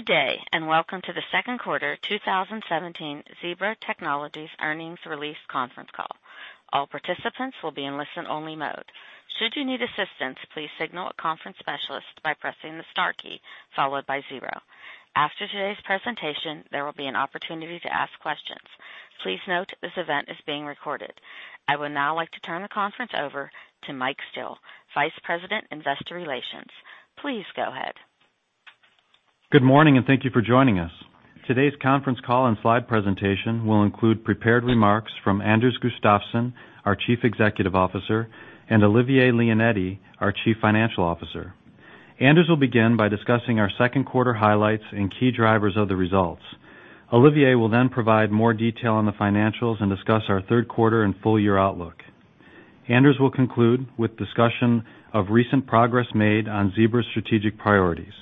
Good day. Welcome to the second quarter 2017 Zebra Technologies earnings release conference call. All participants will be in listen-only mode. Should you need assistance, please signal a conference specialist by pressing the star key followed by zero. After today's presentation, there will be an opportunity to ask questions. Please note this event is being recorded. I would now like to turn the conference over to Michael Steele, Vice President, Investor Relations. Please go ahead. Good morning. Thank you for joining us. Today's conference call and slide presentation will include prepared remarks from Anders Gustafsson, our Chief Executive Officer, and Olivier Leonetti, our Chief Financial Officer. Anders will begin by discussing our second quarter highlights and key drivers of the results. Olivier will provide more detail on the financials and discuss our third quarter and full year outlook. Anders will conclude with discussion of recent progress made on Zebra's strategic priorities.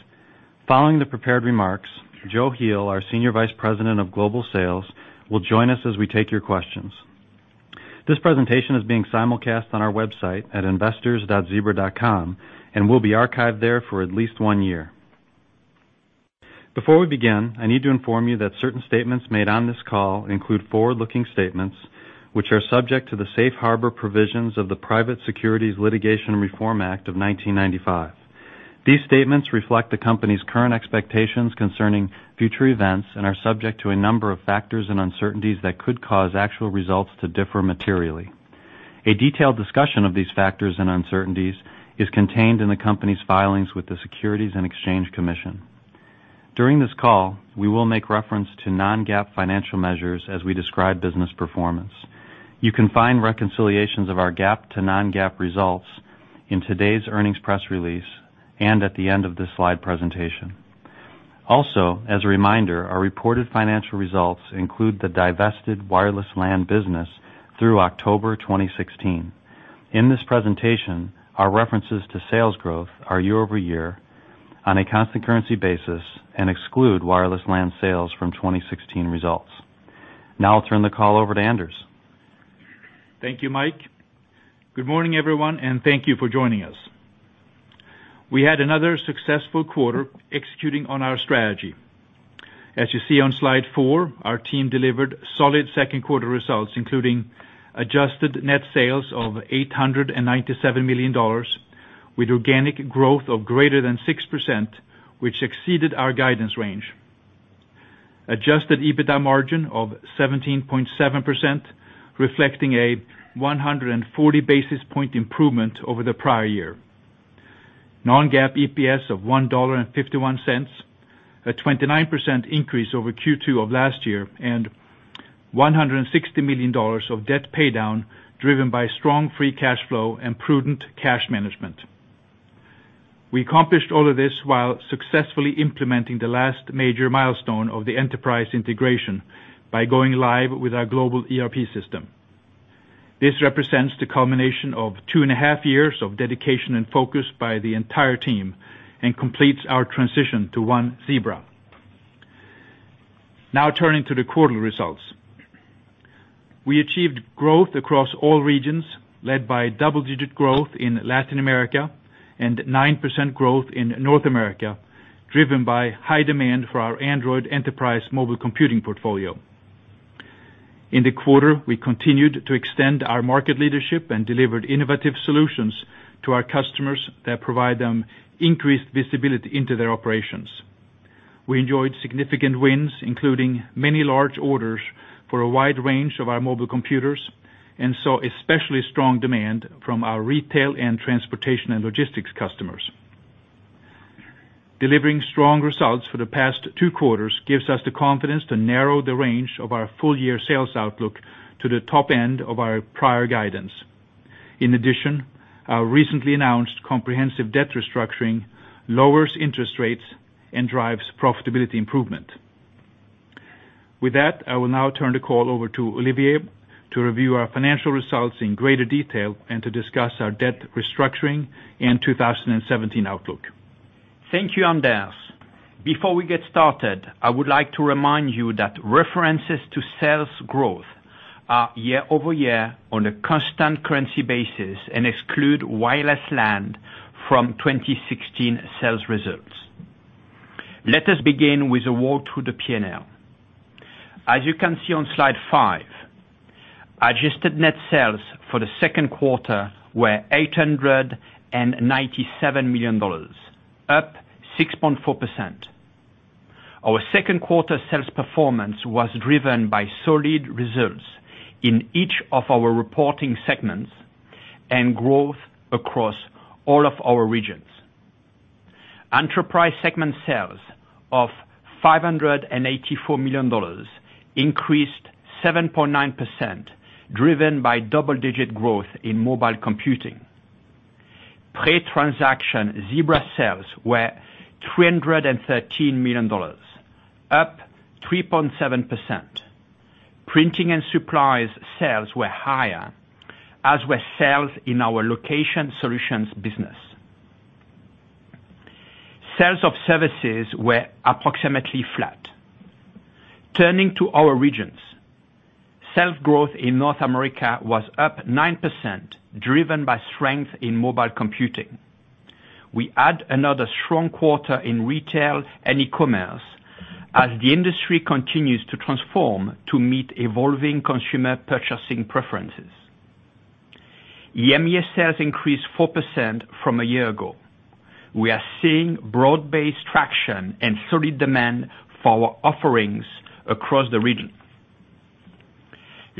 Following the prepared remarks, Joachim Heel, our Senior Vice President of Global Sales, will join us as we take your questions. This presentation is being simulcast on our website at investors.zebra.com and will be archived there for at least one year. Before we begin, I need to inform you that certain statements made on this call include forward-looking statements, which are subject to the safe harbor provisions of the Private Securities Litigation Reform Act of 1995. These statements reflect the company's current expectations concerning future events and are subject to a number of factors and uncertainties that could cause actual results to differ materially. A detailed discussion of these factors and uncertainties is contained in the company's filings with the Securities and Exchange Commission. During this call, we will make reference to non-GAAP financial measures as we describe business performance. You can find reconciliations of our GAAP to non-GAAP results in today's earnings press release and at the end of this slide presentation. Also, as a reminder, our reported financial results include the divested wireless LAN business through October 2016. In this presentation, our references to sales growth are year-over-year on a constant currency basis and exclude wireless LAN sales from 2016 results. Now I'll turn the call over to Anders. Thank you, Mike. Good morning, everyone, and thank you for joining us. We had another successful quarter executing on our strategy. As you see on slide four, our team delivered solid second quarter results, including adjusted net sales of $897 million with organic growth of greater than 6%, which exceeded our guidance range. Adjusted EBITDA margin of 17.7%, reflecting a 140 basis point improvement over the prior year. Non-GAAP EPS of $1.51, a 29% increase over Q2 of last year, and $160 million of debt paydown driven by strong free cash flow and prudent cash management. We accomplished all of this while successfully implementing the last major milestone of the enterprise integration by going live with our global ERP system. This represents the culmination of two and a half years of dedication and focus by the entire team and completes our transition to one Zebra. Turning to the quarterly results. We achieved growth across all regions, led by double-digit growth in Latin America and 9% growth in North America, driven by high demand for our Android enterprise mobile computing portfolio. In the quarter, we continued to extend our market leadership and delivered innovative solutions to our customers that provide them increased visibility into their operations. We enjoyed significant wins, including many large orders for a wide range of our mobile computers, and saw especially strong demand from our retail and transportation and logistics customers. Delivering strong results for the past two quarters gives us the confidence to narrow the range of our full year sales outlook to the top end of our prior guidance. In addition, our recently announced comprehensive debt restructuring lowers interest rates and drives profitability improvement. With that, I will now turn the call over to Olivier to review our financial results in greater detail and to discuss our debt restructuring and 2017 outlook. Thank you, Anders. Before we get started, I would like to remind you that references to sales growth are year-over-year on a constant currency basis and exclude wireless LAN from 2016 sales results. Let us begin with a walk through the P&L. As you can see on slide five, adjusted net sales for the second quarter were $897 million, up 6.4%. Our second quarter sales performance was driven by solid results in each of our reporting segments and growth across all of our regions. Enterprise segment sales of $584 million increased 7.9%, driven by double-digit growth in mobile computing. Pay transaction Zebra sales were $313 million, up 3.7%. Printing and supplies sales were higher, as were sales in our location solutions business. Sales of services were approximately flat. Turning to our regions. Sales growth in North America was up 9%, driven by strength in mobile computing. We had another strong quarter in retail and e-commerce as the industry continues to transform to meet evolving consumer purchasing preferences. EMEA sales increased 4% from a year ago. We are seeing broad-based traction and solid demand for our offerings across the region.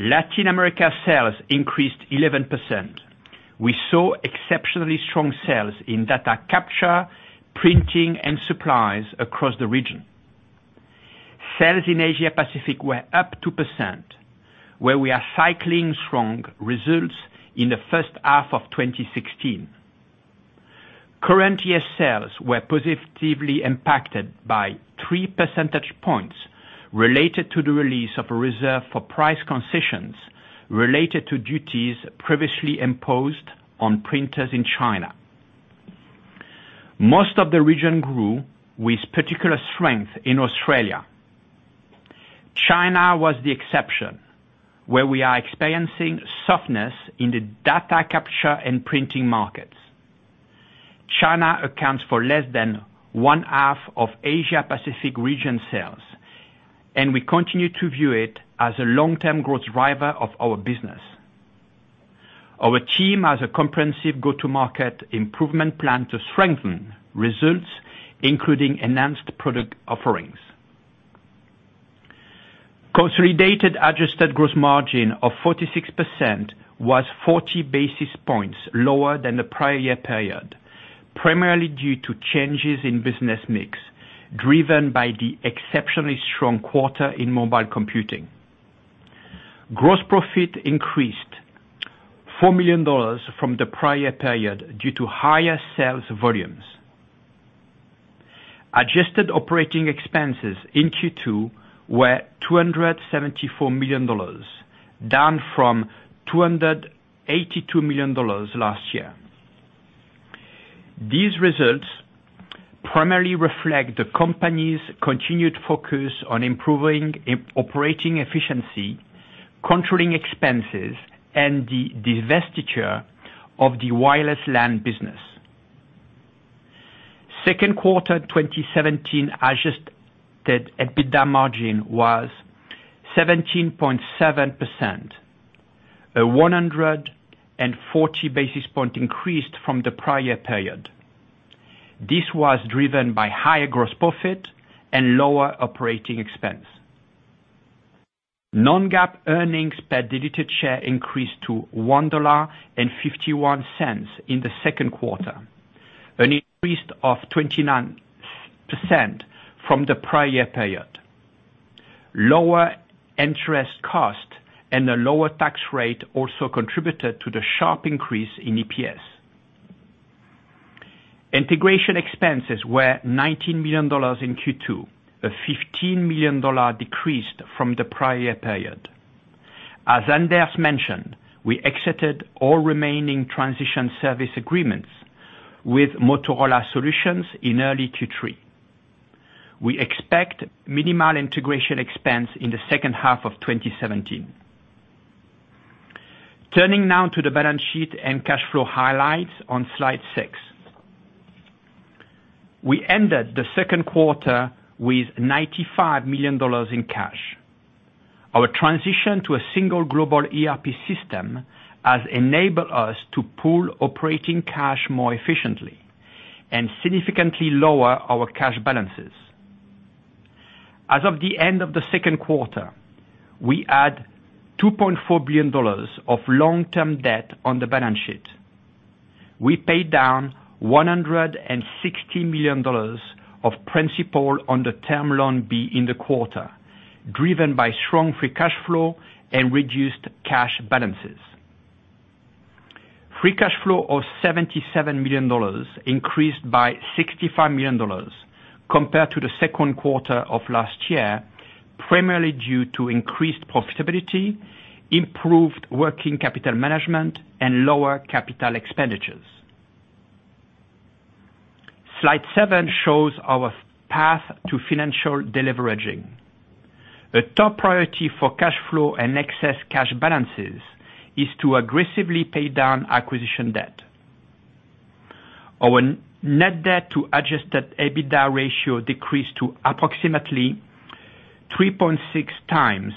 Latin America sales increased 11%. We saw exceptionally strong sales in data capture, printing, and supplies across the region. Sales in Asia Pacific were up 2%, where we are cycling strong results in the first half of 2016. Current year sales were positively impacted by three percentage points related to the release of a reserve for price concessions related to duties previously imposed on printers in China. Most of the region grew with particular strength in Australia. China was the exception, where we are experiencing softness in the data capture and printing markets. China accounts for less than one half of Asia Pacific region sales, and we continue to view it as a long-term growth driver of our business. Our team has a comprehensive go-to-market improvement plan to strengthen results, including enhanced product offerings. Consolidated adjusted gross margin of 46% was 40 basis points lower than the prior year period, primarily due to changes in business mix, driven by the exceptionally strong quarter in mobile computing. Gross profit increased $4 million from the prior period due to higher sales volumes. Adjusted operating expenses in Q2 were $274 million, down from $282 million last year. These results primarily reflect the company's continued focus on improving operating efficiency, controlling expenses, and the divestiture of the wireless LAN business. Second quarter 2017 adjusted EBITDA margin was 17.7%, a 140 basis point increase from the prior period. This was driven by higher gross profit and lower operating expense. Non-GAAP earnings per diluted share increased to $1.51 in the second quarter, an increase of 29% from the prior period. Lower interest cost and a lower tax rate also contributed to the sharp increase in EPS. Integration expenses were $19 million in Q2, a $15 million decrease from the prior period. As Anders mentioned, we exited all remaining TSAs with Motorola Solutions in early Q3. We expect minimal integration expense in the second half of 2017. Turning now to the balance sheet and cash flow highlights on slide six. We ended the second quarter with $95 million in cash. Our transition to a single global ERP system has enabled us to pool operating cash more efficiently and significantly lower our cash balances. As of the end of the second quarter, we add $2.4 billion of long-term debt on the balance sheet. We paid down $160 million of principal on the Term Loan B in the quarter, driven by strong free cash flow and reduced cash balances. Free cash flow of $77 million increased by $65 million compared to the second quarter of last year, primarily due to increased profitability, improved working capital management, and lower capital expenditures. Slide seven shows our path to financial deleveraging. A top priority for cash flow and excess cash balances is to aggressively pay down acquisition debt. Our net debt to adjusted EBITDA ratio decreased to approximately 3.6 times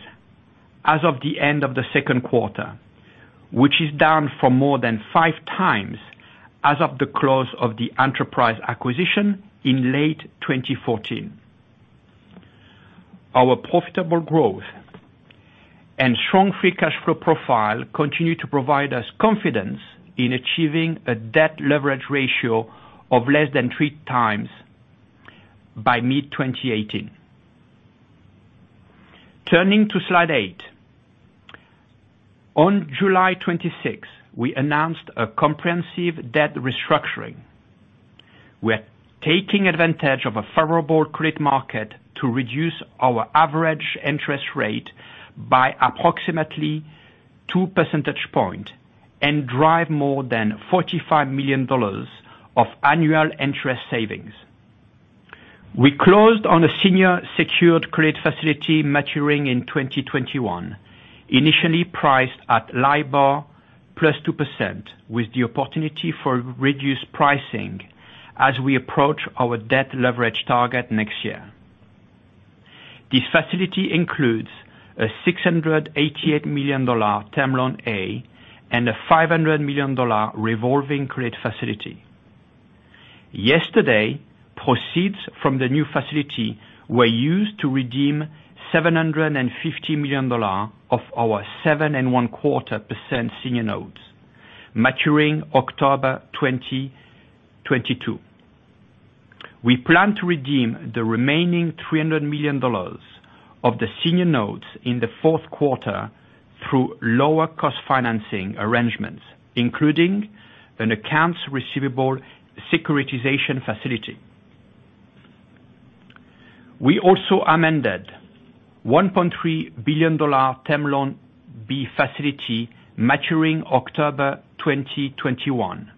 as of the end of the second quarter, which is down from more than five times as of the close of the Enterprise acquisition in late 2014. Our profitable growth and strong free cash flow profile continue to provide us confidence in achieving a debt leverage ratio of less than three times by mid-2018. Turning to slide eight. On July 26, we announced a comprehensive debt restructuring. We're taking advantage of a favorable credit market to reduce our average interest rate by approximately two percentage points and drive more than $45 million of annual interest savings. We closed on a senior secured credit facility maturing in 2021, initially priced at LIBOR plus 2%, with the opportunity for reduced pricing as we approach our debt leverage target next year. This facility includes a $688 million Term Loan A and a $500 million revolving credit facility. Yesterday, proceeds from the new facility were used to redeem $750 million of our 7.25% senior notes maturing October 2022. We plan to redeem the remaining $300 million of the senior notes in the fourth quarter through lower cost financing arrangements, including an accounts receivable securitization facility. We also amended $1.3 billion Term Loan B facility maturing October 2021,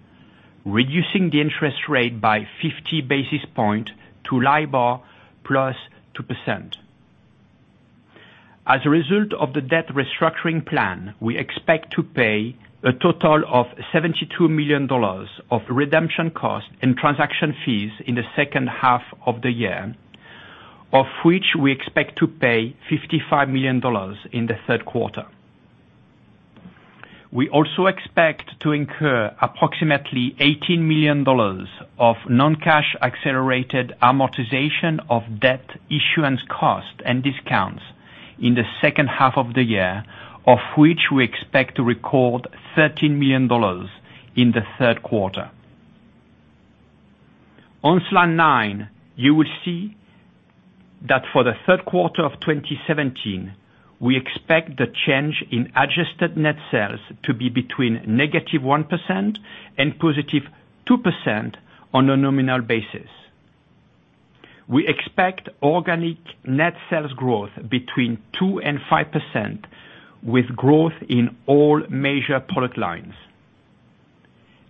reducing the interest rate by 50 basis points to LIBOR plus 2%. As a result of the debt restructuring plan, we expect to pay a total of $72 million of redemption cost and transaction fees in the second half of the year, of which we expect to pay $55 million in the third quarter. We also expect to incur approximately $18 million of non-cash accelerated amortization of debt issuance cost and discounts in the second half of the year, of which we expect to record $13 million in the third quarter. On slide nine, you will see that for the third quarter of 2017, we expect the change in adjusted net sales to be between -1% and +2% on a nominal basis. We expect organic net sales growth between 2% and 5%, with growth in all major product lines.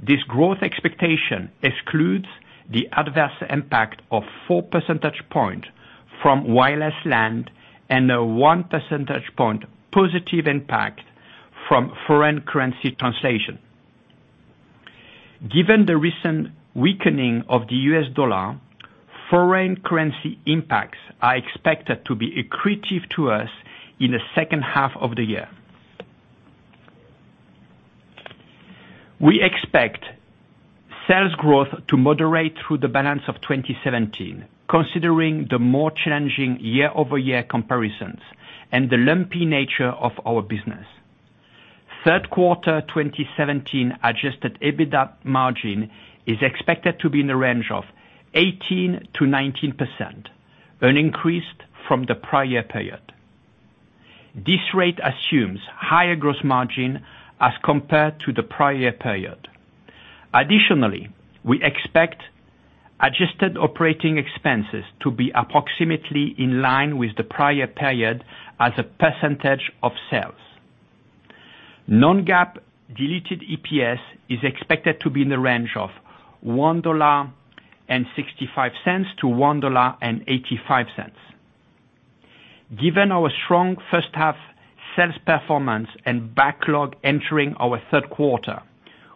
This growth expectation excludes the adverse impact of four percentage points from wireless LAN and a one percentage point positive impact from foreign currency translation. Given the recent weakening of the U.S. dollar, foreign currency impacts are expected to be accretive to us in the second half of the year. We expect sales growth to moderate through the balance of 2017, considering the more challenging year-over-year comparisons and the lumpy nature of our business. Third quarter 2017 adjusted EBITDA margin is expected to be in the range of 18%-19%, an increase from the prior period. This rate assumes higher gross margin as compared to the prior period. Additionally, we expect adjusted operating expenses to be approximately in line with the prior period as a percentage of sales. Non-GAAP diluted EPS is expected to be in the range of $1.65-$1.85. Given our strong first half sales performance and backlog entering our third quarter,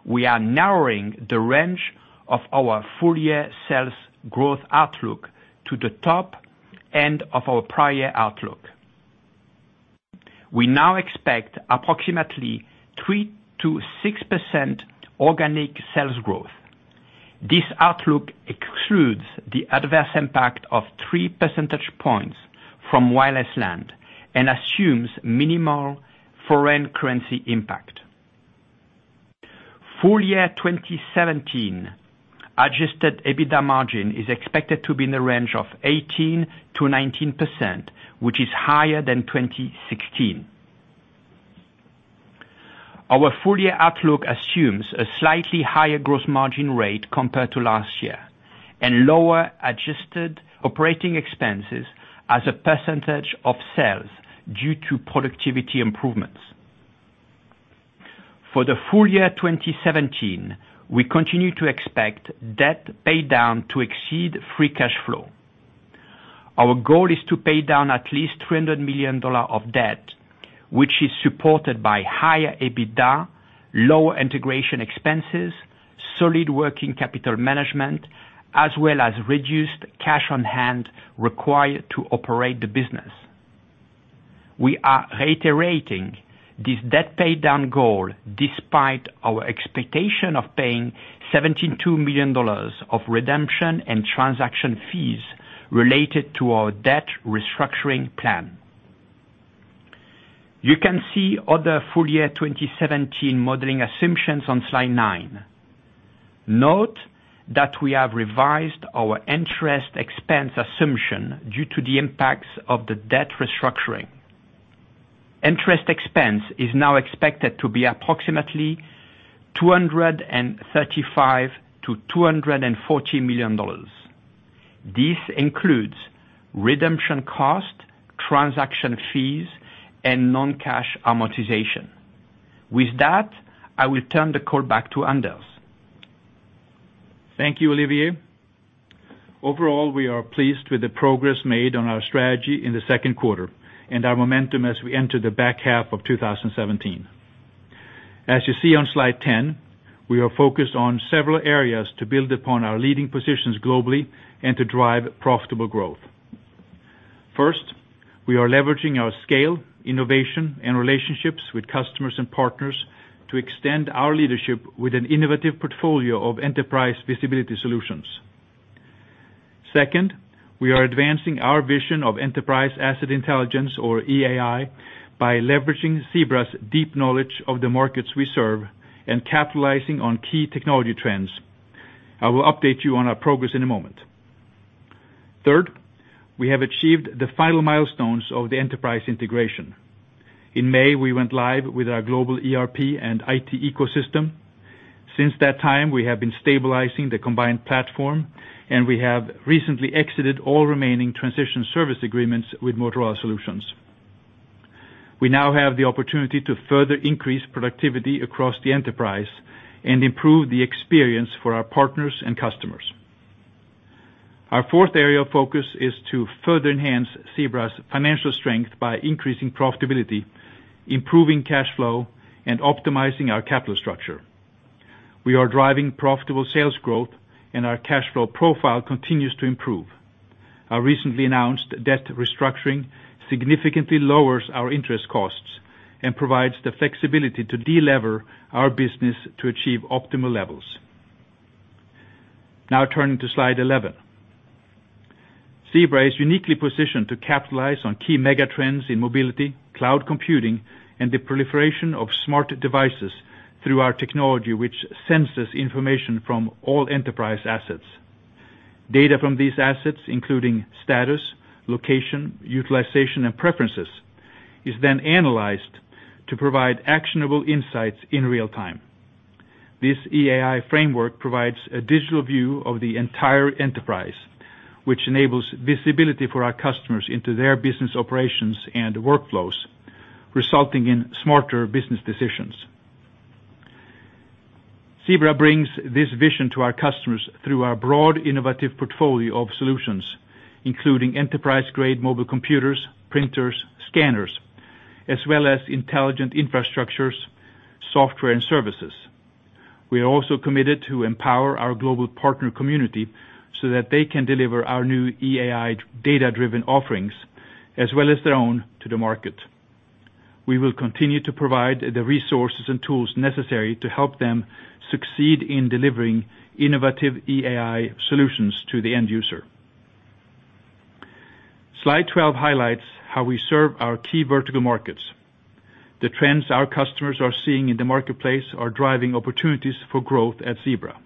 we are narrowing the range of our full year sales growth outlook to the top end of our prior outlook. We now expect approximately 3%-6% organic sales growth. This outlook excludes the adverse impact of three percentage points from wireless LAN and assumes minimal foreign currency impact. Full year 2017 adjusted EBITDA margin is expected to be in the range of 18%-19%, which is higher than 2016. Our full year outlook assumes a slightly higher gross margin rate compared to last year and lower adjusted operating expenses as a percentage of sales due to productivity improvements. For the full year 2017, we continue to expect debt paydown to exceed free cash flow. Our goal is to pay down at least $200 million of debt, which is supported by higher EBITDA, lower integration expenses, solid working capital management, as well as reduced cash on hand required to operate the business. We are reiterating this debt paydown goal despite our expectation of paying $72 million of redemption and transaction fees related to our debt restructuring plan. You can see other full year 2017 modeling assumptions on slide nine. We have revised our interest expense assumption due to the impacts of the debt restructuring. Interest expense is now expected to be approximately $235 million-$240 million. This includes redemption cost, transaction fees, and non-cash amortization. With that, I will turn the call back to Anders. Thank you, Olivier. Overall, we are pleased with the progress made on our strategy in the second quarter and our momentum as we enter the back half of 2017. As you see on slide 10, we are focused on several areas to build upon our leading positions globally and to drive profitable growth. First, we are leveraging our scale, innovation, and relationships with customers and partners to extend our leadership with an innovative portfolio of enterprise visibility solutions. Second, we are advancing our vision of enterprise asset intelligence, or EAI, by leveraging Zebra's deep knowledge of the markets we serve and capitalizing on key technology trends. I will update you on our progress in a moment. Third, we have achieved the final milestones of the enterprise integration. In May, we went live with our global ERP and IT ecosystem. Since that time, we have been stabilizing the combined platform. We have recently exited all remaining Transition Service Agreements with Motorola Solutions. We now have the opportunity to further increase productivity across the enterprise and improve the experience for our partners and customers. Our fourth area of focus is to further enhance Zebra's financial strength by increasing profitability, improving cash flow, and optimizing our capital structure. We are driving profitable sales growth and our cash flow profile continues to improve. Our recently announced debt restructuring significantly lowers our interest costs and provides the flexibility to delever our business to achieve optimal levels. Turning to slide 11. Zebra is uniquely positioned to capitalize on key mega trends in mobility, cloud computing, and the proliferation of smart devices through our technology, which senses information from all enterprise assets. Data from these assets, including status, location, utilization, and preferences, is then analyzed to provide actionable insights in real time. This EAI framework provides a digital view of the entire enterprise, which enables visibility for our customers into their business operations and workflows, resulting in smarter business decisions. Zebra brings this vision to our customers through our broad, innovative portfolio of solutions, including enterprise-grade mobile computers, printers, scanners, as well as intelligent infrastructures, software, and services. We are also committed to empower our global partner community so that they can deliver our new EAI data-driven offerings, as well as their own to the market. We will continue to provide the resources and tools necessary to help them succeed in delivering innovative EAI solutions to the end user. Slide 12 highlights how we serve our key vertical markets. The trends our customers are seeing in the marketplace are driving opportunities for growth at Zebra.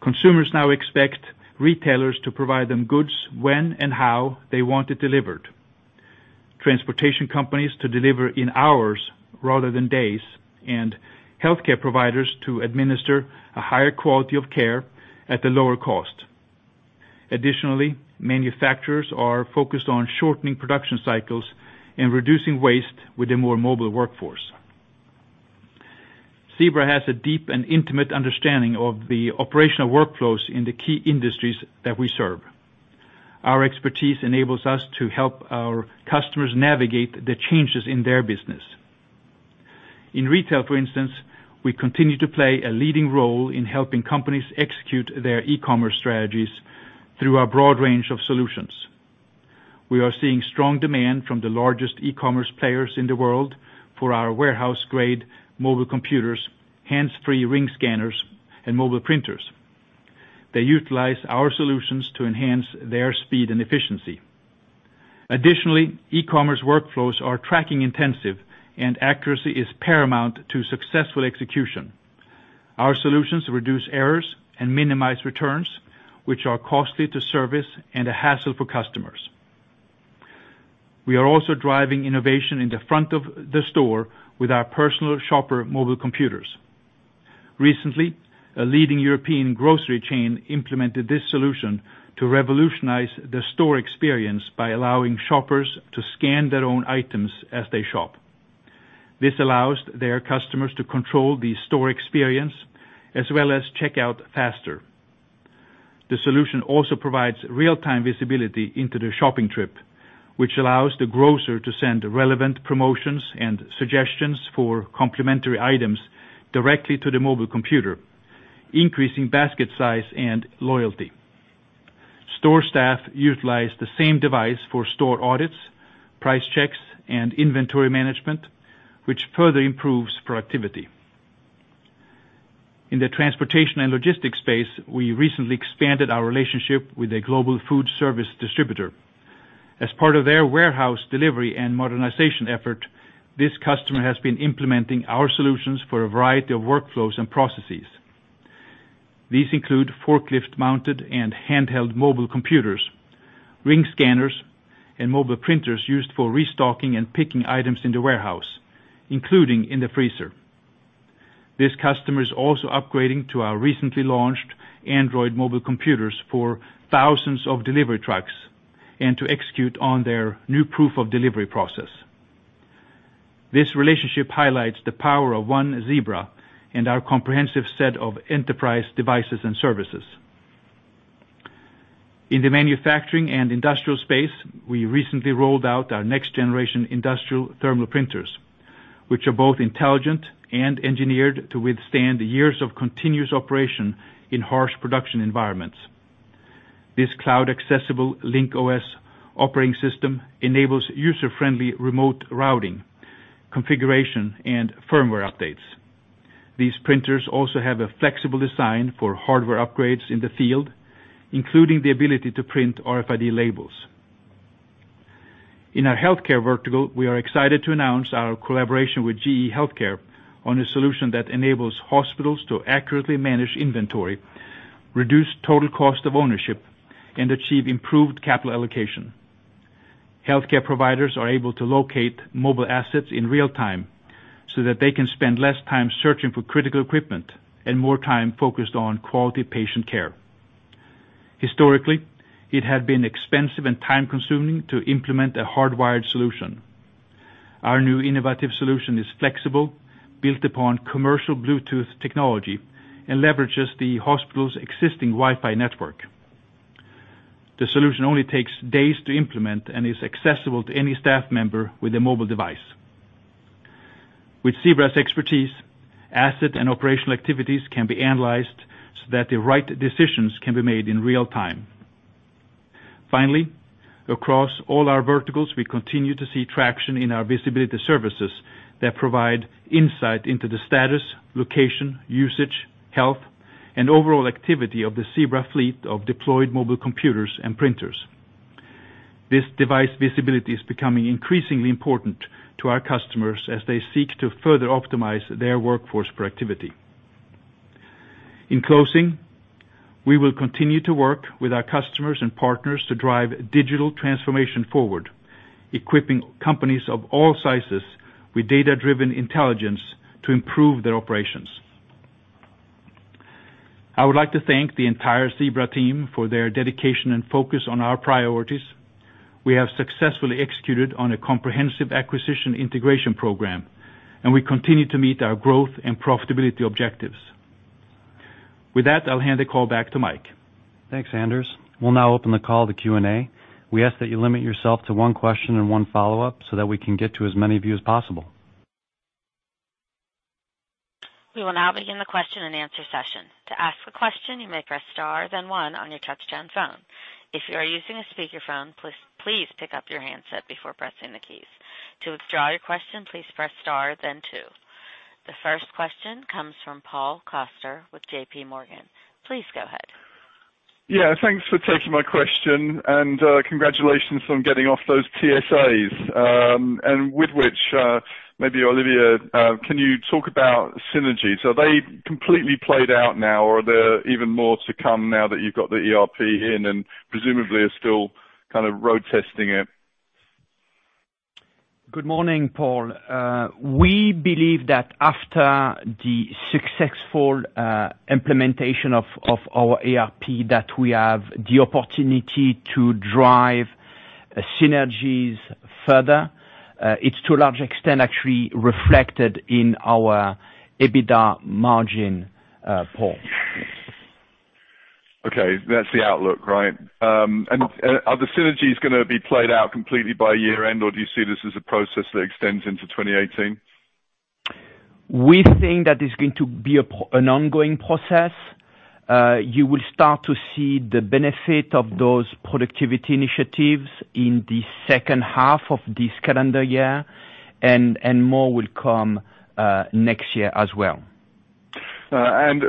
Consumers now expect retailers to provide them goods when and how they want it delivered, transportation companies to deliver in hours rather than days, and healthcare providers to administer a higher quality of care at a lower cost. Additionally, manufacturers are focused on shortening production cycles and reducing waste with a more mobile workforce. Zebra has a deep and intimate understanding of the operational workflows in the key industries that we serve. Our expertise enables us to help our customers navigate the changes in their business. In retail, for instance, we continue to play a leading role in helping companies execute their e-commerce strategies through our broad range of solutions. We are seeing strong demand from the largest e-commerce players in the world for our warehouse-grade mobile computers, hands-free ring scanners, and mobile printers. They utilize our solutions to enhance their speed and efficiency. Additionally, e-commerce workflows are tracking intensive, and accuracy is paramount to successful execution. Our solutions reduce errors and minimize returns, which are costly to service and a hassle for customers. We are also driving innovation in the front of the store with our personal shopper mobile computers. Recently, a leading European grocery chain implemented this solution to revolutionize the store experience by allowing shoppers to scan their own items as they shop. This allows their customers to control the store experience, as well as check out faster. The solution also provides real-time visibility into the shopping trip, which allows the grocer to send relevant promotions and suggestions for complementary items directly to the mobile computer, increasing basket size and loyalty. Store staff utilize the same device for store audits, price checks, and inventory management, which further improves productivity. In the transportation and logistics space, we recently expanded our relationship with a global food service distributor. As part of their warehouse delivery and modernization effort, this customer has been implementing our solutions for a variety of workflows and processes. These include forklift-mounted and handheld mobile computers, ring scanners, and mobile printers used for restocking and picking items in the warehouse, including in the freezer. This customer is also upgrading to our recently launched Android mobile computers for thousands of delivery trucks and to execute on their new proof of delivery process. This relationship highlights the power of one Zebra and our comprehensive set of enterprise devices and services. In the manufacturing and industrial space, we recently rolled out our next generation industrial thermal printers, which are both intelligent and engineered to withstand years of continuous operation in harsh production environments. This cloud accessible Link-OS operating system enables user-friendly remote routing, configuration, and firmware updates. These printers also have a flexible design for hardware upgrades in the field, including the ability to print RFID labels. In our healthcare vertical, we are excited to announce our collaboration with GE HealthCare on a solution that enables hospitals to accurately manage inventory, reduce total cost of ownership, and achieve improved capital allocation. Healthcare providers are able to locate mobile assets in real time so that they can spend less time searching for critical equipment and more time focused on quality patient care. Historically, it had been expensive and time-consuming to implement a hardwired solution. Our new innovative solution is flexible, built upon commercial Bluetooth technology, and leverages the hospital's existing Wi-Fi network. The solution only takes days to implement and is accessible to any staff member with a mobile device. With Zebra's expertise, asset and operational activities can be analyzed so that the right decisions can be made in real time. Finally, across all our verticals, we continue to see traction in our visibility services that provide insight into the status, location, usage, health, and overall activity of the Zebra fleet of deployed mobile computers and printers. This device visibility is becoming increasingly important to our customers as they seek to further optimize their workforce productivity. In closing, we will continue to work with our customers and partners to drive digital transformation forward, equipping companies of all sizes with data-driven intelligence to improve their operations. I would like to thank the entire Zebra team for their dedication and focus on our priorities. We have successfully executed on a comprehensive acquisition integration program, and we continue to meet our growth and profitability objectives. With that, I'll hand the call back to Mike. Thanks, Anders. We'll now open the call to Q&A. We ask that you limit yourself to one question and one follow-up so that we can get to as many of you as possible. We will now begin the question and answer session. To ask a question, you may press star, then one on your touchtone phone. If you are using a speakerphone, please pick up your handset before pressing the keys. To withdraw your question, please press star, then two. The first question comes from Paul Coster with J.P. Morgan. Please go ahead. Yeah, thanks for taking my question and congratulations on getting off those TSAs. With which, maybe Olivier, can you talk about synergies? Are they completely played out now or are there even more to come now that you've got the ERP in and presumably are still kind of road testing it? Good morning, Paul. We believe that after the successful implementation of our ERP, that we have the opportunity to drive synergies further. It's to a large extent actually reflected in our EBITDA margin, Paul. Okay. That's the outlook, right? Are the synergies going to be played out completely by year end, or do you see this as a process that extends into 2018? We think that it's going to be an ongoing process. You will start to see the benefit of those productivity initiatives in the second half of this calendar year, and more will come next year as well.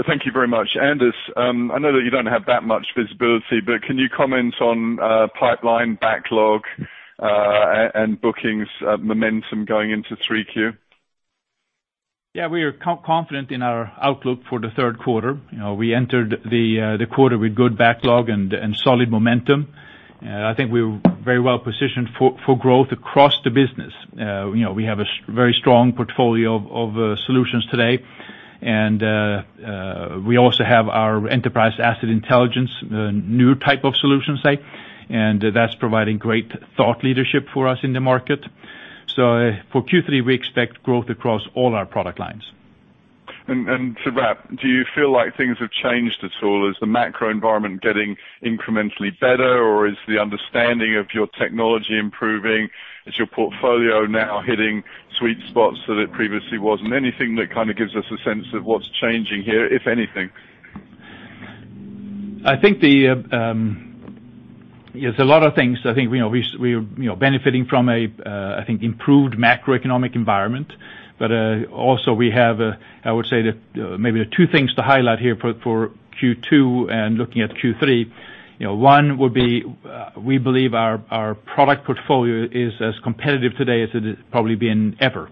Thank you very much. Anders, I know that you don't have that much visibility, can you comment on pipeline backlog, and bookings momentum going into 3Q? We are confident in our outlook for the third quarter. We entered the quarter with good backlog and solid momentum. I think we're very well positioned for growth across the business. We have a very strong portfolio of solutions today, and we also have our Enterprise Asset Intelligence, new type of solution site, that's providing great thought leadership for us in the market. For Q3, we expect growth across all our product lines. To wrap, do you feel like things have changed at all? Is the macro environment getting incrementally better, or is the understanding of your technology improving? Is your portfolio now hitting sweet spots that it previously wasn't? Anything that kind of gives us a sense of what's changing here, if anything? I think there's a lot of things. I think we're benefiting from, I think improved macroeconomic environment. Also we have, I would say that maybe two things to highlight here for Q2 and looking at Q3. One would be, we believe our product portfolio is as competitive today as it has probably been ever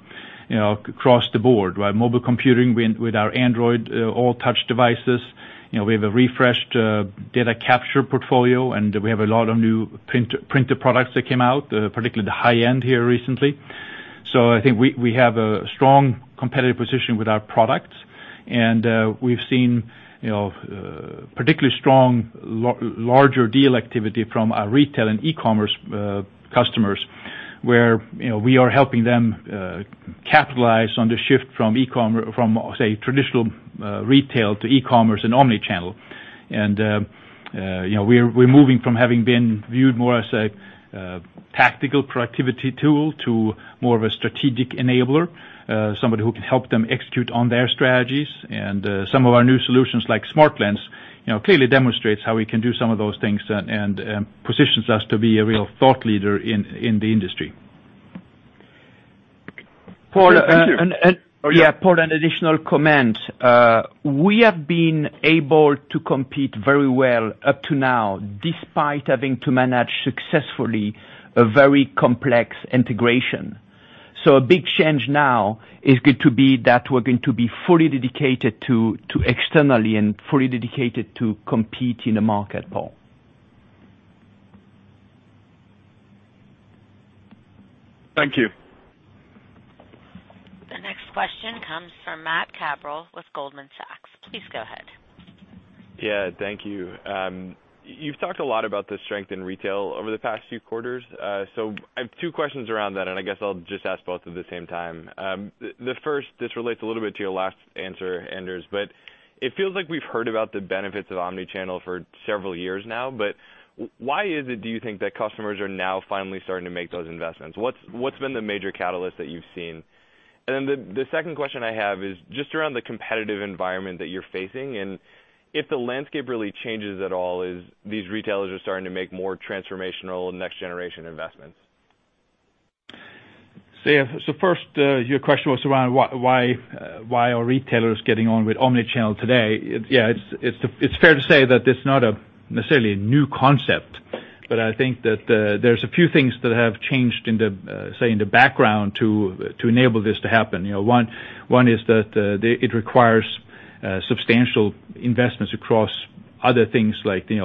across the board, mobile computing with our Android all-touch devices. We have a refreshed data capture portfolio, and we have a lot of new printer products that came out, particularly the high end here recently. I think we have a strong competitive position with our products, and we've seen particularly strong larger deal activity from our retail and e-commerce customers, where we are helping them capitalize on the shift from say, traditional retail to e-commerce and omni-channel. We're moving from having been viewed more as a tactical productivity tool to more of a strategic enabler, somebody who can help them execute on their strategies. Some of our new solutions, like SmartLens, clearly demonstrates how we can do some of those things and positions us to be a real thought leader in the industry. Paul. Thank you. Oh, yeah. Yeah, Paul, an additional comment. We have been able to compete very well up to now, despite having to manage successfully a very complex integration. A big change now is going to be that we're going to be fully dedicated to externally and fully dedicated to compete in the market, Paul. Thank you. The next question comes from Matt Cabral with Goldman Sachs. Please go ahead. Yeah, thank you. You've talked a lot about the strength in retail over the past few quarters. I have two questions around that, and I guess I'll just ask both at the same time. The first, this relates a little bit to your last answer, Anders, but it feels like we've heard about the benefits of omni-channel for several years now, but why is it, do you think, that customers are now finally starting to make those investments? What's been the major catalyst that you've seen? Then the second question I have is just around the competitive environment that you're facing, and if the landscape really changes at all, as these retailers are starting to make more transformational next-generation investments. First, your question was around why are retailers getting on with omni-channel today? It's fair to say that it's not necessarily a new concept, but I think that there's a few things that have changed, say, in the background to enable this to happen. One is that it requires substantial investments across other things like the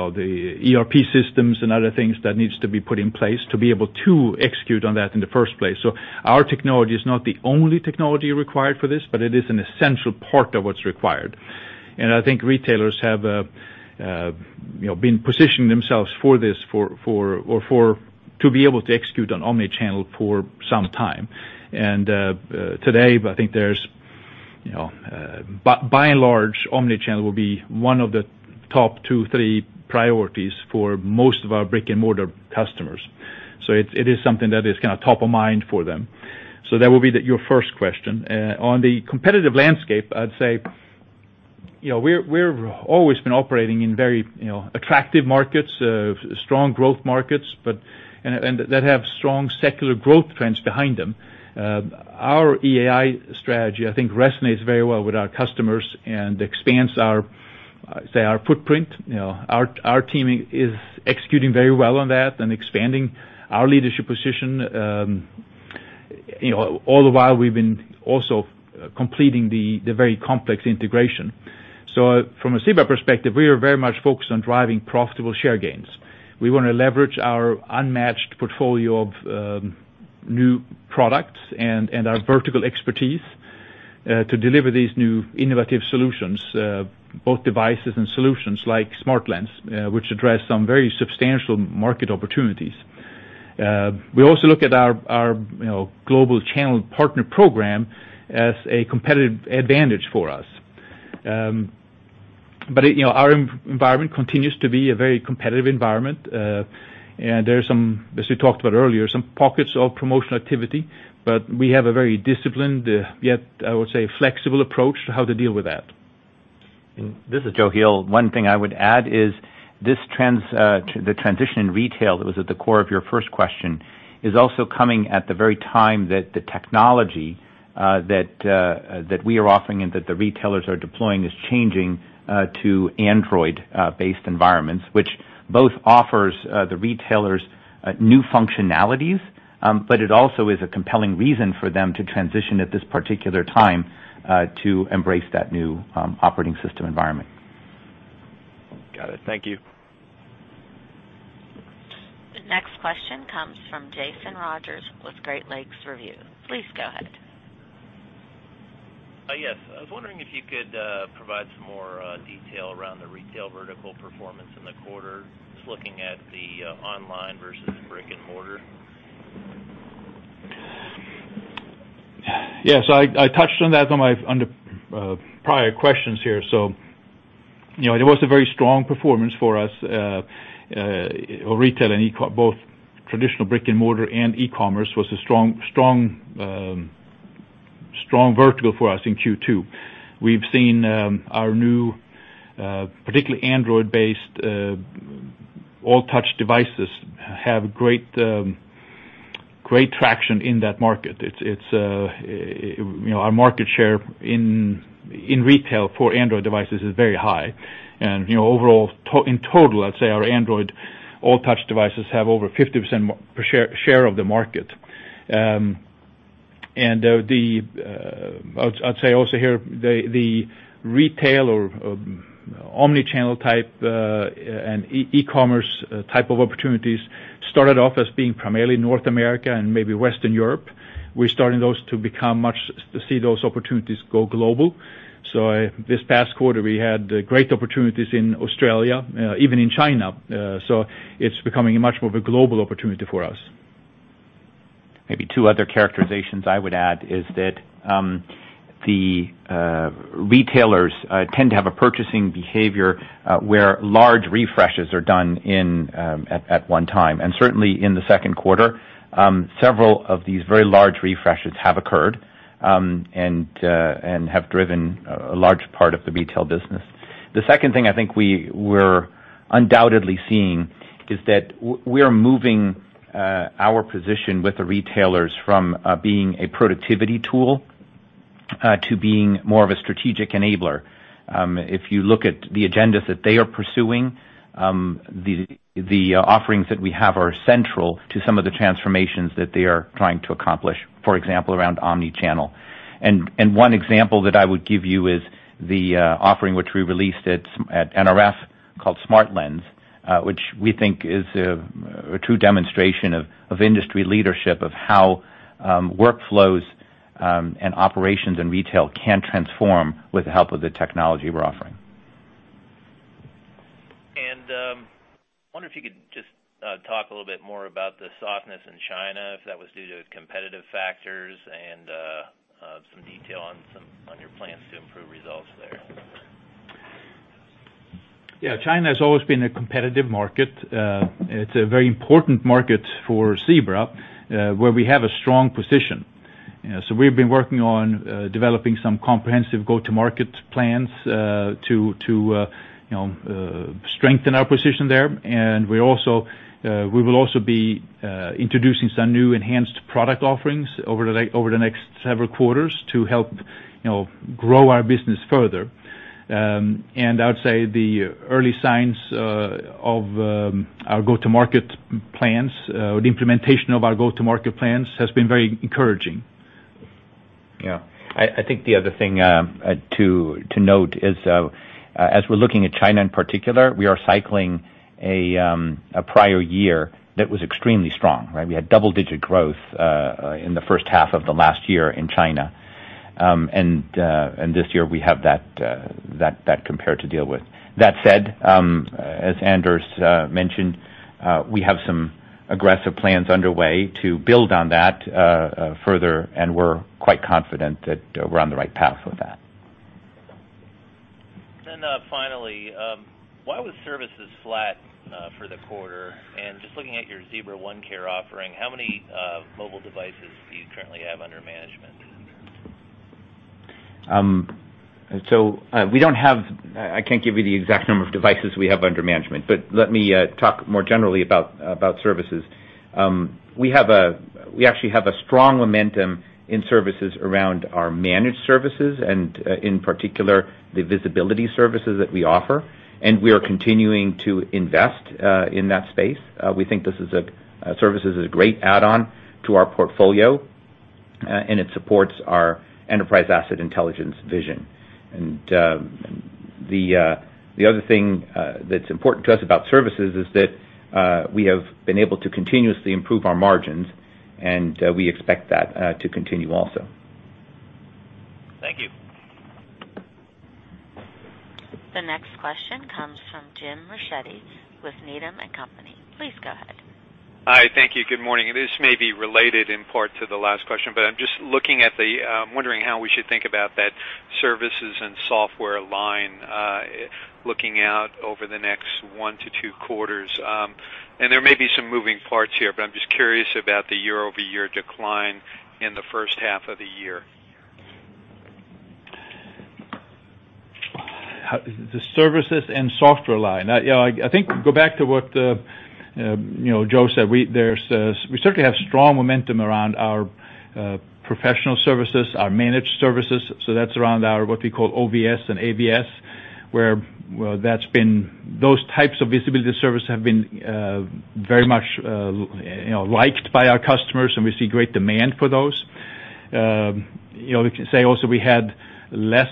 ERP systems and other things that needs to be put in place to be able to execute on that in the first place. Our technology is not the only technology required for this, but it is an essential part of what's required. I think retailers have been positioning themselves for this to be able to execute on omni-channel for some time. Today, I think by and large, omni-channel will be one of the top two, three priorities for most of our brick-and-mortar customers. It is something that is top of mind for them. That would be your first question. On the competitive landscape, I'd say we've always been operating in very attractive markets, strong growth markets, and that have strong secular growth trends behind them. Our EAI strategy, I think, resonates very well with our customers and expands our footprint. Our team is executing very well on that and expanding our leadership position, all the while we've been also completing the very complex integration. From a Zebra perspective, we are very much focused on driving profitable share gains. We want to leverage our unmatched portfolio of new products and our vertical expertise, to deliver these new innovative solutions, both devices and solutions like SmartLens, which address some very substantial market opportunities. We also look at our global channel partner program as a competitive advantage for us. Our environment continues to be a very competitive environment. There are, as we talked about earlier, some pockets of promotional activity, we have a very disciplined, yet, I would say, flexible approach to how to deal with that. This is Joe Heel. One thing I would add is the transition in retail that was at the core of your first question is also coming at the very time that the technology that we are offering and that the retailers are deploying is changing to Android-based environments, which both offers the retailers new functionalities, it also is a compelling reason for them to transition at this particular time, to embrace that new operating system environment. Got it. Thank you. The next question comes from Jason Rogers with Great Lakes Review. Please go ahead. Yes. I was wondering if you could provide some more detail around the retail vertical performance in the quarter, just looking at the online versus brick-and-mortar. Yeah. I touched on that on the prior questions here. It was a very strong performance for us. Retail and both traditional brick-and-mortar and e-commerce was a strong vertical for us in Q2. We've seen our new, particularly Android-based all-touch devices have great traction in that market. Our market share in retail for Android devices is very high. Overall, in total, I'd say our Android all-touch devices have over 50% share of the market. I'd say also here, the retail or Omnichannel type, and e-commerce type of opportunities started off as being primarily North America and maybe Western Europe. We're starting to see those opportunities go global. This past quarter, we had great opportunities in Australia, even in China. It's becoming much more of a global opportunity for us. Maybe two other characterizations I would add is that the retailers tend to have a purchasing behavior where large refreshes are done at one time. Certainly, in the second quarter, several of these very large refreshes have occurred, and have driven a large part of the retail business. The second thing I think we're undoubtedly seeing is that we are moving our position with the retailers from being a productivity tool to being more of a strategic enabler. If you look at the agendas that they are pursuing, the offerings that we have are central to some of the transformations that they are trying to accomplish, for example, around omni-channel. One example that I would give you is the offering which we released at NRF called SmartLens, which we think is a true demonstration of industry leadership, of how workflows, and operations, and retail can transform with the help of the technology we're offering. I wonder if you could just talk a little bit more about the softness in China, if that was due to competitive factors, and some detail on your plans to improve results there. Yeah, China has always been a competitive market. It's a very important market for Zebra, where we have a strong position. We've been working on developing some comprehensive go-to-market plans to strengthen our position there. We will also be introducing some new enhanced product offerings over the next several quarters to help grow our business further. I would say the early signs of our go-to-market plans or the implementation of our go-to-market plans has been very encouraging. Yeah. I think the other thing to note is as we're looking at China in particular, we are cycling a prior year that was extremely strong, right? We had double-digit growth in the first half of the last year in China. This year we have that compare to deal with. That said, as Anders mentioned, we have some aggressive plans underway to build on that further, and we're quite confident that we're on the right path with that. Finally, why was services flat for the quarter? Just looking at your Zebra OneCare offering, how many mobile devices do you currently have under management? I can't give you the exact number of devices we have under management, but let me talk more generally about services. We actually have a strong momentum in services around our managed services and, in particular, the visibility services that we offer, and we are continuing to invest in that space. We think services is a great add-on to our portfolio, and it supports our enterprise asset intelligence vision. The other thing that's important to us about services is that we have been able to continuously improve our margins, and we expect that to continue also. Thank you. The next question comes from Jim Ricchiuti with Needham & Company. Please go ahead. Hi. Thank you. Good morning. This may be related in part to the last question, but I'm just wondering how we should think about that services and software line, looking out over the next one to two quarters. There may be some moving parts here, but I'm just curious about the year-over-year decline in the first half of the year. The services and software line. I think go back to what Joe said. We certainly have strong momentum around our professional services, our managed services. That's around our, what we call OVS and AVS, where those types of visibility services have been very much liked by our customers, we see great demand for those. We can say also we had less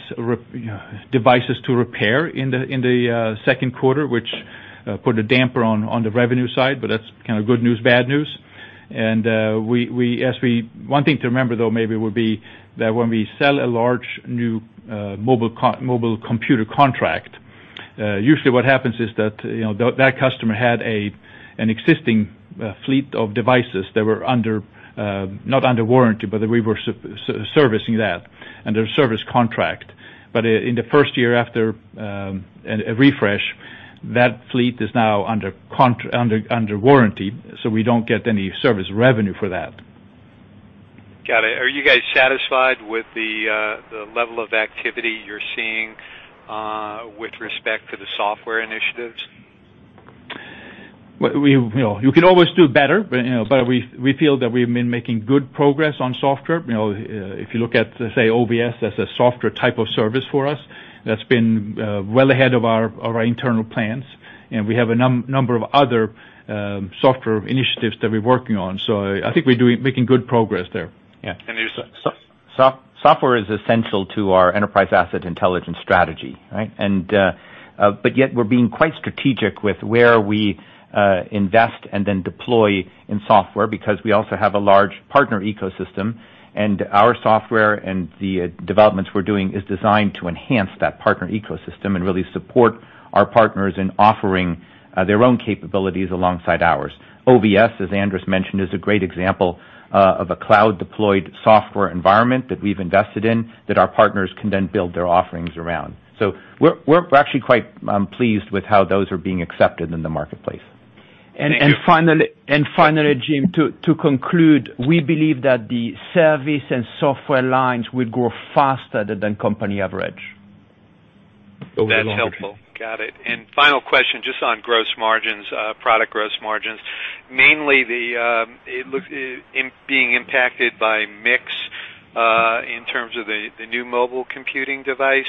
devices to repair in the second quarter, which put a damper on the revenue side, but that's kind of good news, bad news. One thing to remember, though, maybe would be that when we sell a large new mobile computer contract, usually what happens is that customer had an existing fleet of devices that were under, not under warranty, but that we were servicing that under a service contract. In the first year after a refresh, that fleet is now under warranty, we don't get any service revenue for that. Got it. Are you guys satisfied with the level of activity you're seeing with respect to the software initiatives? You can always do better, we feel that we've been making good progress on software. If you look at, say, OVS as a software type of service for us, that's been well ahead of our internal plans, and we have a number of other software initiatives that we're working on. I think we're making good progress there. Yeah. Software is essential to our enterprise asset intelligence strategy, right? Yet we're being quite strategic with where we invest and then deploy in software, because we also have a large partner ecosystem, and our software and the developments we're doing is designed to enhance that partner ecosystem and really support our partners in offering their own capabilities alongside ours. OVS, as Anders mentioned, is a great example of a cloud deployed software environment that we've invested in, that our partners can then build their offerings around. We're actually quite pleased with how those are being accepted in the marketplace. Finally, Jim, to conclude, we believe that the service and software lines will grow faster than company average. That's helpful. Got it. Final question, just on gross margins, product gross margins, mainly it looks being impacted by mix, in terms of the new mobile computing device.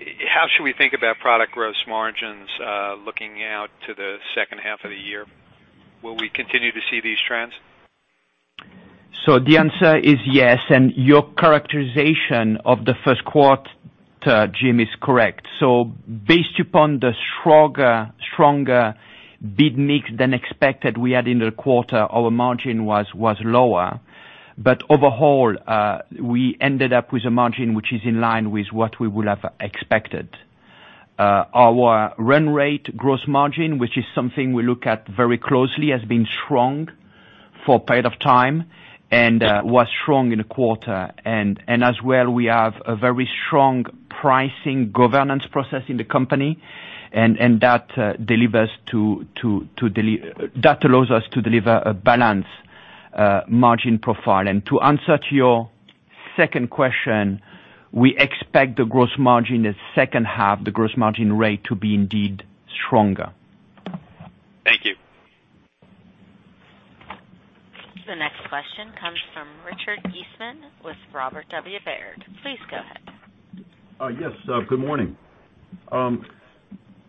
How should we think about product gross margins, looking out to the second half of the year? Will we continue to see these trends? The answer is yes, your characterization of the first quarter, Jim, is correct. Based upon the stronger bid mix than expected we had in the quarter, our margin was lower. Overall, we ended up with a margin which is in line with what we would have expected. Our run rate gross margin, which is something we look at very closely, has been strong for a period of time and was strong in the quarter. As well, we have a very strong pricing governance process in the company, and that allows us to deliver a balanced margin profile. To answer to your second question, we expect the gross margin in the second half, the gross margin rate to be indeed stronger. Thank you. The next question comes from Richard Eastman with Robert W. Baird. Please go ahead. Yes. Good morning.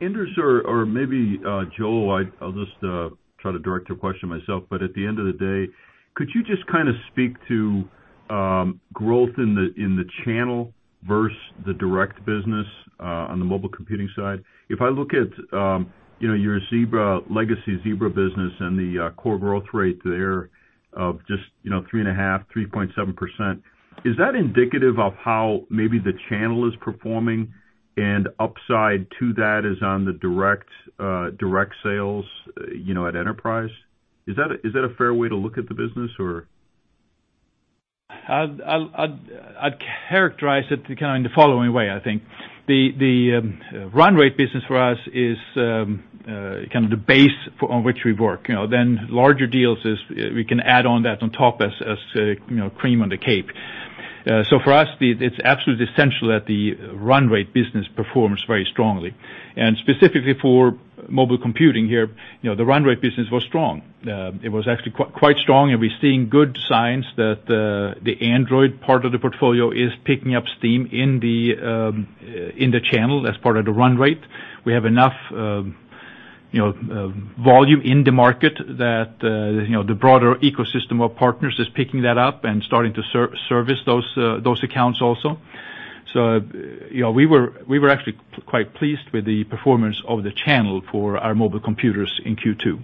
Anders or maybe Joe, I'll just try to direct a question myself, but at the end of the day, could you just kind of speak to growth in the channel versus the direct business on the mobile computing side? If I look at your Legacy Zebra business and the core growth rate there of just 3.5%-3.7%, is that indicative of how maybe the channel is performing, and upside to that is on the direct sales at enterprise? Is that a fair way to look at the business? I'd characterize it kind of in the following way, I think. The run rate business for us is kind of the base on which we work. Larger deals we can add on that on top as cream on the cake. For us, it's absolutely essential that the run rate business performs very strongly. Specifically for mobile computing here, the run rate business was strong. It was actually quite strong, and we're seeing good signs that the Android part of the portfolio is picking up steam in the channel as part of the run rate. We have enough volume in the market that the broader ecosystem of partners is picking that up and starting to service those accounts also. We were actually quite pleased with the performance of the channel for our mobile computers in Q2.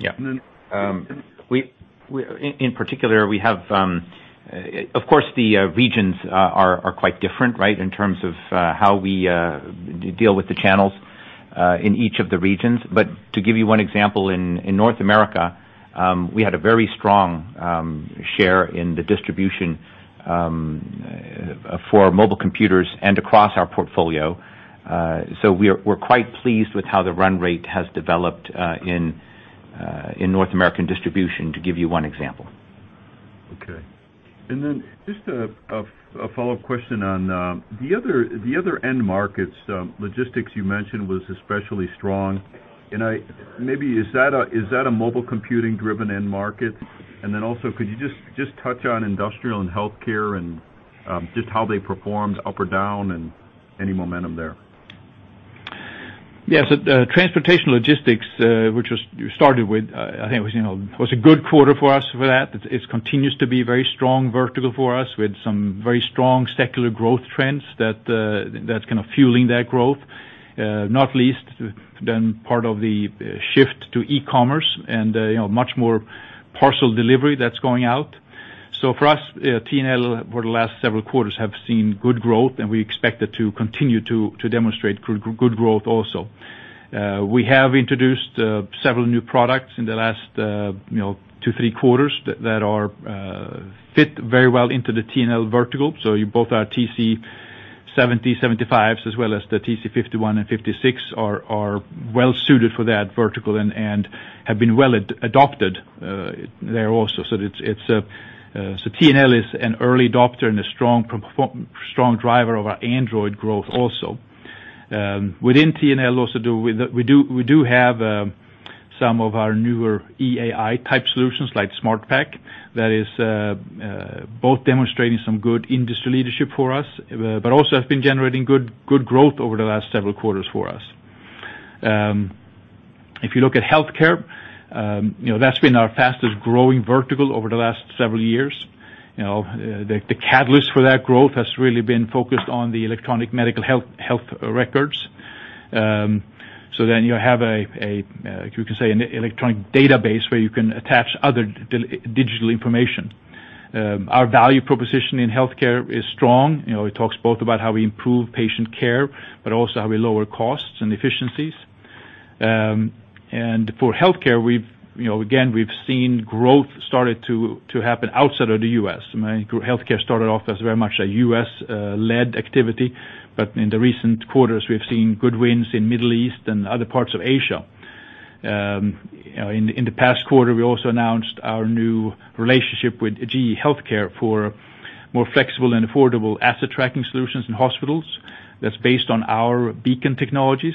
Yeah. In particular, of course, the regions are quite different, right, in terms of how we deal with the channels in each of the regions. To give you one example, in North America, we had a very strong share in the distribution for mobile computers and across our portfolio. We're quite pleased with how the run rate has developed in North American distribution, to give you one example. Okay. Just a follow-up question on the other end markets. Logistics you mentioned was especially strong. Maybe is that a mobile computing driven end market? Also, could you just touch on industrial and healthcare, and just how they performed up or down and any momentum there? Yes. Transportation Logistics, which you started with, I think it was a good quarter for us for that. It continues to be very strong vertical for us with some very strong secular growth trends that's kind of fueling that growth. Not least in part of the shift to e-commerce and much more parcel delivery that's going out. For us, T&L for the last several quarters have seen good growth, and we expect it to continue to demonstrate good growth also. We have introduced several new products in the last two, three quarters that fit very well into the T&L vertical. Both our TC70, 75s, as well as the TC51 and TC56 are well suited for that vertical and have been well adopted there also. T&L is an early adopter and a strong driver of our Android growth also. Within T&L also we do have some of our newer EAI type solutions like SmartPack that is both demonstrating some good industry leadership for us, but also have been generating good growth over the last several quarters for us. If you look at healthcare, that's been our fastest growing vertical over the last several years. The catalyst for that growth has really been focused on the electronic medical health records. You have, you can say, an electronic database where you can attach other digital information. Our value proposition in healthcare is strong. It talks both about how we improve patient care, but also how we lower costs and efficiencies. For healthcare, again, we've seen growth started to happen outside of the U.S. Healthcare started off as very much a U.S.-led activity, but in the recent quarters, we've seen good wins in Middle East and other parts of Asia. In the past quarter, we also announced our new relationship with GE HealthCare for more flexible and affordable asset tracking solutions in hospitals. That's based on our beacon technologies.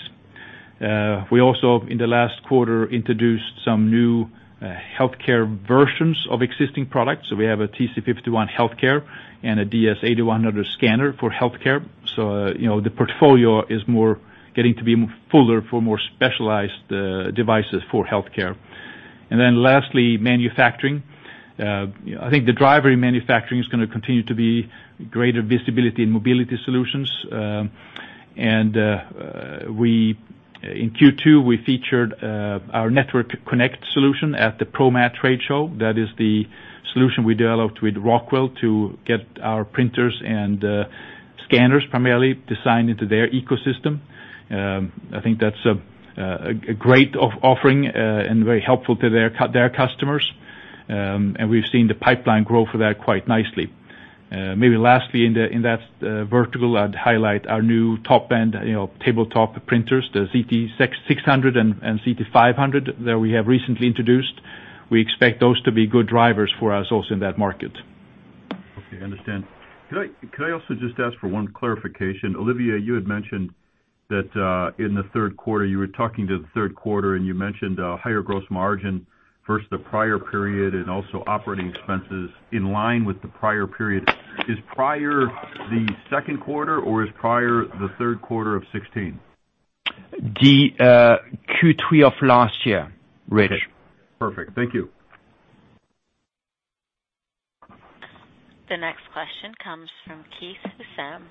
We also, in the last quarter, introduced some new healthcare versions of existing products. We have a TC51 healthcare and a DS8100 scanner for healthcare. The portfolio is getting to be fuller for more specialized devices for healthcare. Lastly, manufacturing. I think the driver in manufacturing is going to continue to be greater visibility in mobility solutions. In Q2, we featured our Network Connect solution at the ProMat trade show. That is the solution we developed with Rockwell Automation to get our printers and scanners primarily designed into their ecosystem. I think that's a great offering, and very helpful to their customers. We've seen the pipeline grow for that quite nicely. Maybe lastly, in that vertical, I'd highlight our new top-end tabletop printers, the ZT600 and ZT500 that we have recently introduced. We expect those to be good drivers for us also in that market. Okay, I understand. Could I also just ask for one clarification? Olivier, you had mentioned that in the third quarter, you were talking to the third quarter, and you mentioned a higher gross margin versus the prior period, and also operating expenses in line with the prior period. Is prior the second quarter, or is prior the third quarter of 2016? The Q3 of last year, Rich. Okay. Perfect. Thank you. The next question comes from Keith Housum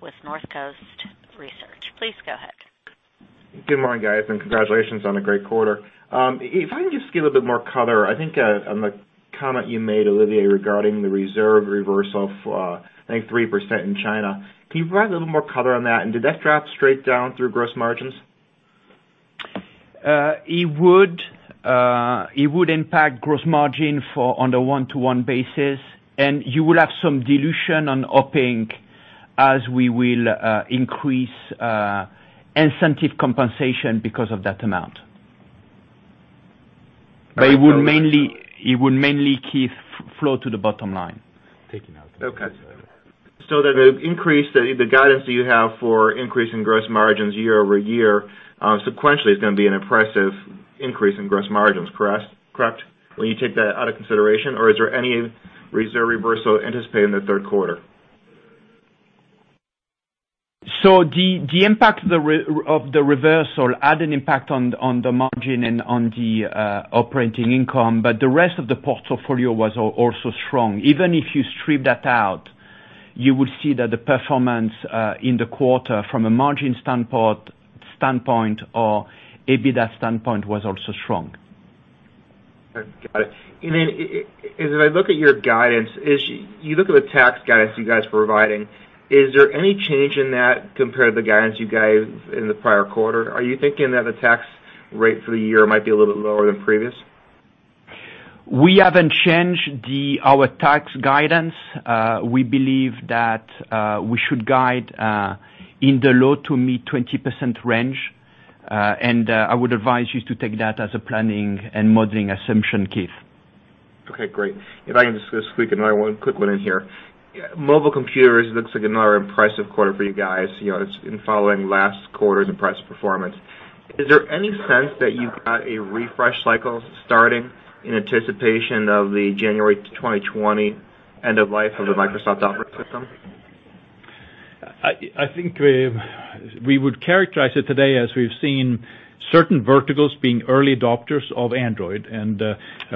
with Northcoast Research. Please go ahead. Good morning, guys, and congratulations on a great quarter. If I can just get a little bit more color, I think on the comment you made, Olivier, regarding the reserve reversal of, I think 3% in China. Can you provide a little more color on that? Did that drop straight down through gross margins? It would impact gross margin on a one-to-one basis, and you will have some dilution on operating as we will increase incentive compensation because of that amount. It would mainly, Keith, flow to the bottom line. Okay. The guidance that you have for increase in gross margins year-over-year, sequentially, is going to be an impressive increase in gross margins, correct? When you take that out of consideration, or is there any reserve reversal anticipated in the third quarter? The impact of the reversal had an impact on the margin and on the operating income. The rest of the portfolio was also strong. Even if you strip that out, you will see that the performance in the quarter from a margin standpoint or EBITDA standpoint was also strong. Got it. As I look at your guidance, you look at the tax guidance you guys are providing, is there any change in that compared to the guidance you gave in the prior quarter? Are you thinking that the tax rate for the year might be a little bit lower than previous? We haven't changed our tax guidance. We believe that we should guide in the low to mid 20% range. I would advise you to take that as a planning and modeling assumption, Keith. Okay, great. If I can just squeak another one quick one in here. Mobile computers looks like another impressive quarter for you guys. It's been following last quarter, the price performance. Is there any sense that you've got a refresh cycle starting in anticipation of the January 2020 end of life of the Microsoft operating system? I think we would characterize it today as we've seen certain verticals being early adopters of Android. I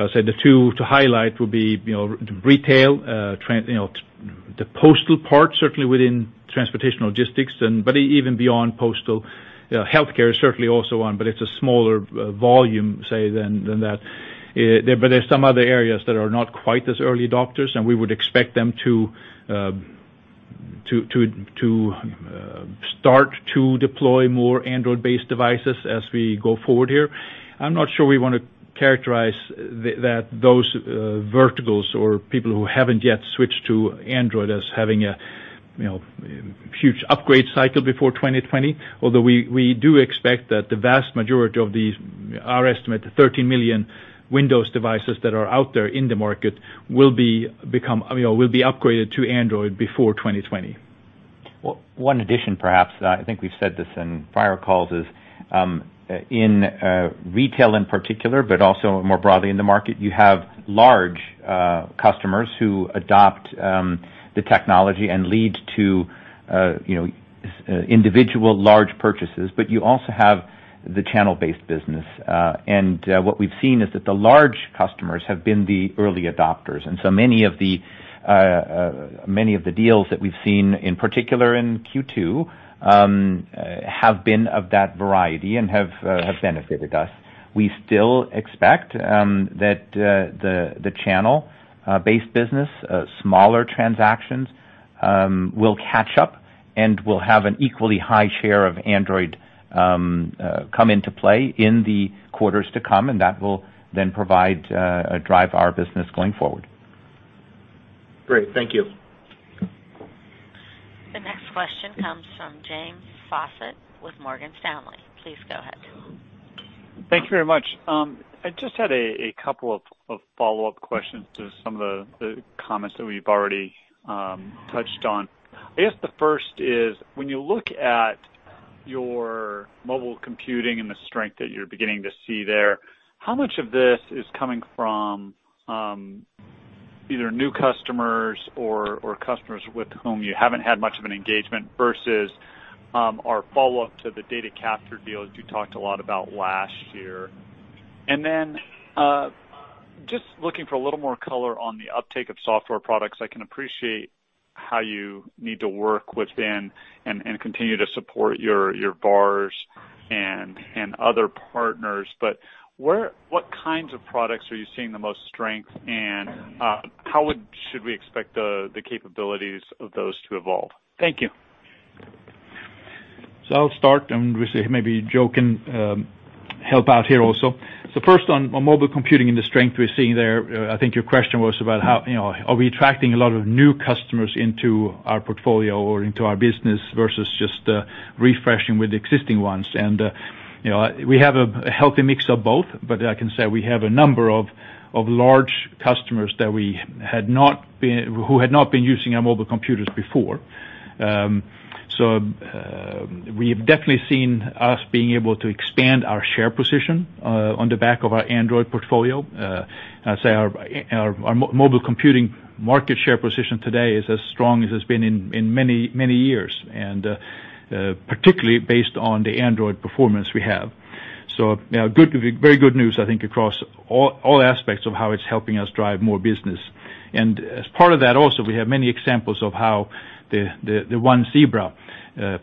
would say the two to highlight would be retail, the postal part, certainly within transportation logistics, but even beyond postal. Healthcare is certainly also one, but it's a smaller volume, say, than that. There's some other areas that are not quite as early adopters, and we would expect them to start to deploy more Android-based devices as we go forward here. I'm not sure we want to characterize those verticals or people who haven't yet switched to Android as having a huge upgrade cycle before 2020. Although we do expect that the vast majority of these, our estimate, 13 million Windows devices that are out there in the market will be upgraded to Android before 2020. Well, one addition, perhaps, I think we've said this in prior calls, is in retail in particular, but also more broadly in the market, you have large customers who adopt the technology and lead to individual large purchases, but you also have the channel-based business. What we've seen is that the large customers have been the early adopters. So many of the deals that we've seen, in particular in Q2, have been of that variety and have benefited us. We still expect that the channel-based business, smaller transactions, will catch up and will have an equally high share of Android come into play in the quarters to come, and that will then drive our business going forward. Great. Thank you. The next question comes from James Faucette with Morgan Stanley. Please go ahead. Thank you very much. I just had a couple of follow-up questions to some of the comments that we've already touched on. I guess the first is, when you look at your mobile computing and the strength that you're beginning to see there, how much of this is coming from either new customers or customers with whom you haven't had much of an engagement versus our follow-up to the data capture deals you talked a lot about last year? Just looking for a little more color on the uptake of software products. I can appreciate how you need to work within and continue to support your VARs and other partners. What kinds of products are you seeing the most strength in? How should we expect the capabilities of those to evolve? Thank you. I'll start. We say maybe Joe can help out here also. First on mobile computing and the strength we're seeing there, I think your question was about are we attracting a lot of new customers into our portfolio or into our business versus just refreshing with existing ones? We have a healthy mix of both. I can say we have a number of large customers who had not been using our mobile computers before. We've definitely seen us being able to expand our share position on the back of our Android portfolio. I'd say our mobile computing market share position today is as strong as it's been in many years, particularly based on the Android performance we have. Very good news, I think, across all aspects of how it's helping us drive more business. As part of that, also, we have many examples of how the one Zebra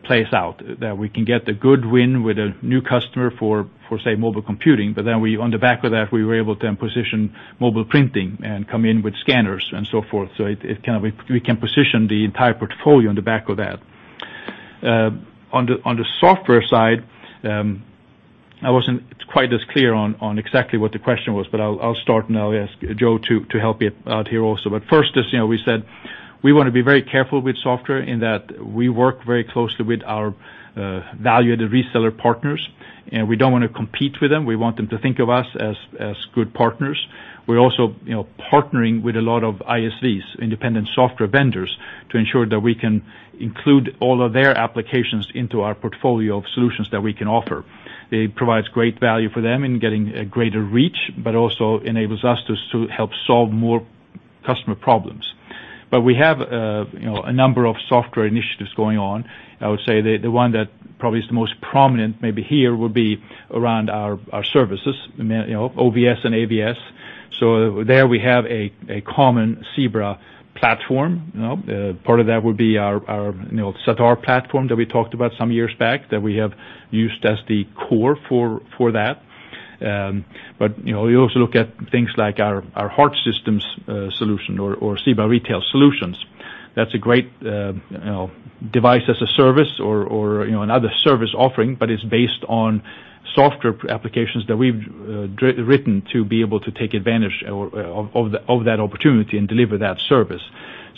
plays out, that we can get a good win with a new customer for, say, mobile computing. On the back of that, we were able to then position mobile printing and come in with scanners and so forth. We can position the entire portfolio on the back of that. On the software side, I wasn't quite as clear on exactly what the question was. I'll start now and ask Joe to help me out here also. As we said, we want to be very careful with software in that we work very closely with our valued reseller partners, and we don't want to compete with them. We want them to think of us as good partners. We're also partnering with a lot of ISVs, independent software vendors, to ensure that we can include all of their applications into our portfolio of solutions that we can offer. It provides great value for them in getting a greater reach, also enables us to help solve more customer problems. We have a number of software initiatives going on. I would say the one that probably is the most prominent maybe here would be around our services, OVS and AVS. There we have a common Zebra platform. Part of that would be our Savanna platform that we talked about some years back, that we have used as the core for that. You also look at things like our Hart Systems solution or Zebra Retail Solutions. That's a great device as a service or another service offering, it's based on software applications that we've written to be able to take advantage of that opportunity and deliver that service.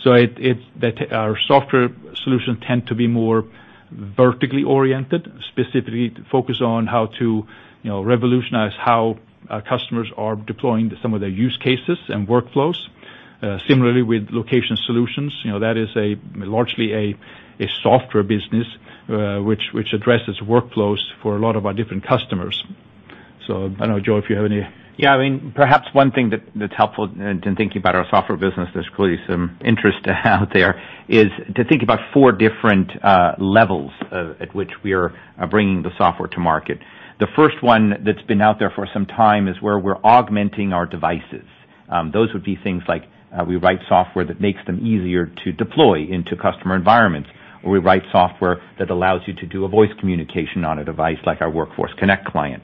Our software solutions tend to be more vertically oriented, specifically to focus on how to revolutionize how our customers are deploying some of their use cases and workflows. Similarly, with location solutions, that is largely a software business, which addresses workflows for a lot of our different customers. I don't know, Joe, if you have any. Yeah. Perhaps one thing that's helpful in thinking about our software business, there's clearly some interest out there, is to think about 4 different levels at which we are bringing the software to market. The 1st one that's been out there for some time is where we're augmenting our devices. Those would be things like we write software that makes them easier to deploy into customer environments, or we write software that allows you to do a voice communication on a device like our Workforce Connect client.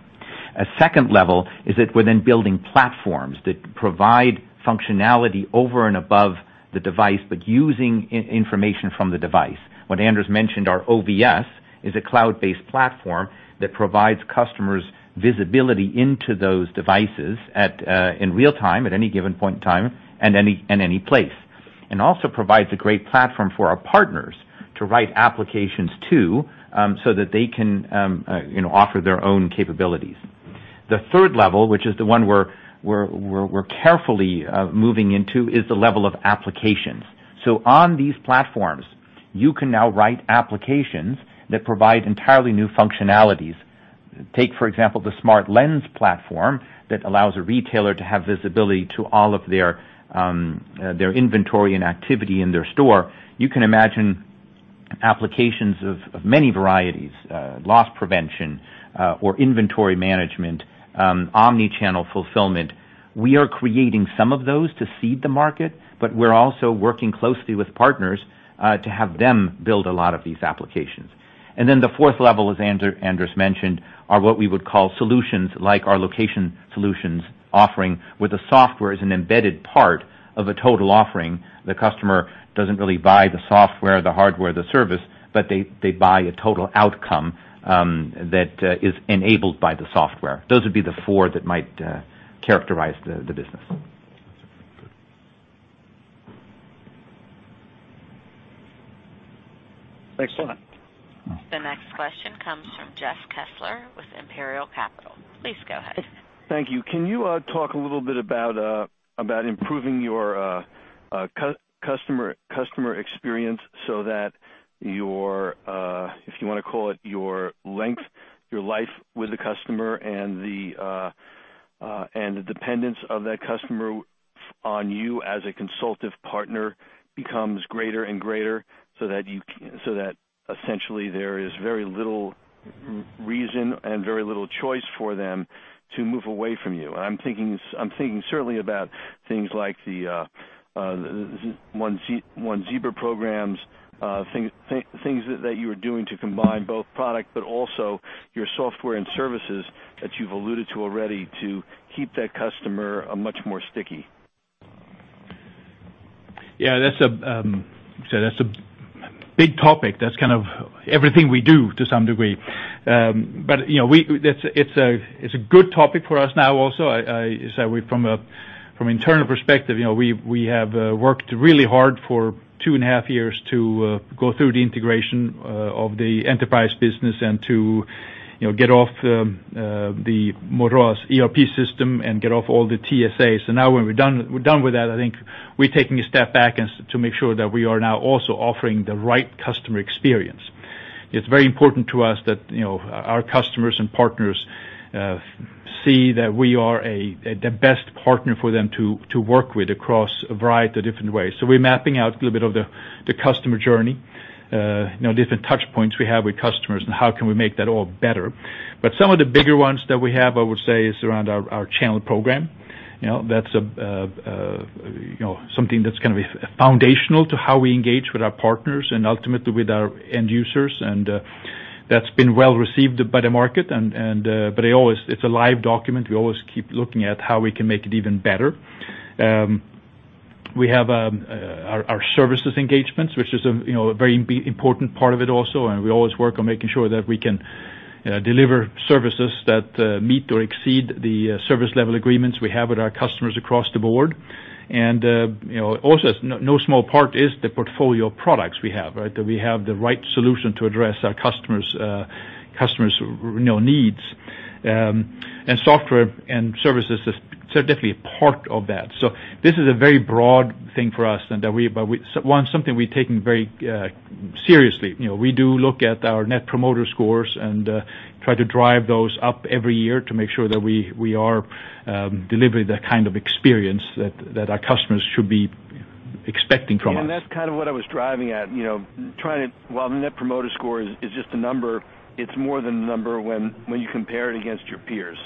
A 2nd level is that we're then building platforms that provide functionality over and above the device, but using information from the device. When Anders mentioned our OVS, is a cloud-based platform that provides customers visibility into those devices in real time, at any given point in time, and any place. Also provides a great platform for our partners to write applications to, so that they can offer their own capabilities. The 3rd level, which is the one we're carefully moving into, is the level of applications. On these platforms, you can now write applications that provide entirely new functionalities. Take, for example, the SmartLens platform that allows a retailer to have visibility to all of their inventory and activity in their store. You can imagine applications of many varieties, loss prevention or inventory management, omni-channel fulfillment. We are creating some of those to seed the market, but we're also working closely with partners to have them build a lot of these applications. The 4th level, as Anders mentioned, are what we would call solutions, like our location solutions offering, where the software is an embedded part of a total offering. The customer doesn't really buy the software, the hardware, the service, but they buy a total outcome that is enabled by the software. Those would be the four that might characterize the business. Excellent. The next question comes from Jeff Kessler with Imperial Capital. Please go ahead. Thank you. Can you talk a little bit about improving your customer experience so that your, if you want to call it, your length, your life with the customer and the dependence of that customer on you as a consultative partner becomes greater and greater, that essentially there is very little reason and very little choice for them to move away from you? I am thinking certainly about things like the One Zebra programs, things that you are doing to combine both product, but also your software and services that you have alluded to already to keep that customer much more sticky. Yeah, that is a big topic. That is kind of everything we do to some degree. It is a good topic for us now, also, from internal perspective. We have worked really hard for two and a half years to go through the integration of the enterprise business and to get off the Motorola's ERP system and get off all the TSAs. Now we are done with that, I think we are taking a step back to make sure that we are now also offering the right customer experience. It is very important to us that our customers and partners see that we are the best partner for them to work with across a variety of different ways. We are mapping out a little bit of the customer journey, different touch points we have with customers and how can we make that all better. Some of the bigger ones that we have, I would say, is around our channel program. That is something that is going to be foundational to how we engage with our partners and ultimately with our end users. That has been well received by the market. It is a live document. We always keep looking at how we can make it even better. We have our services engagements, which is a very important part of it also, we always work on making sure that we can deliver services that meet or exceed the service level agreements we have with our customers across the board. Also, no small part is the portfolio of products we have. That we have the right solution to address our customers' needs, and software and services are definitely a part of that. This is a very broad thing for us and something we are taking very seriously. We do look at our Net Promoter Scores and try to drive those up every year to make sure that we are delivering the kind of experience that our customers should be expecting from us. That's kind of what I was driving at. While the Net Promoter Score is just a number, it's more than a number when you compare it against your peers.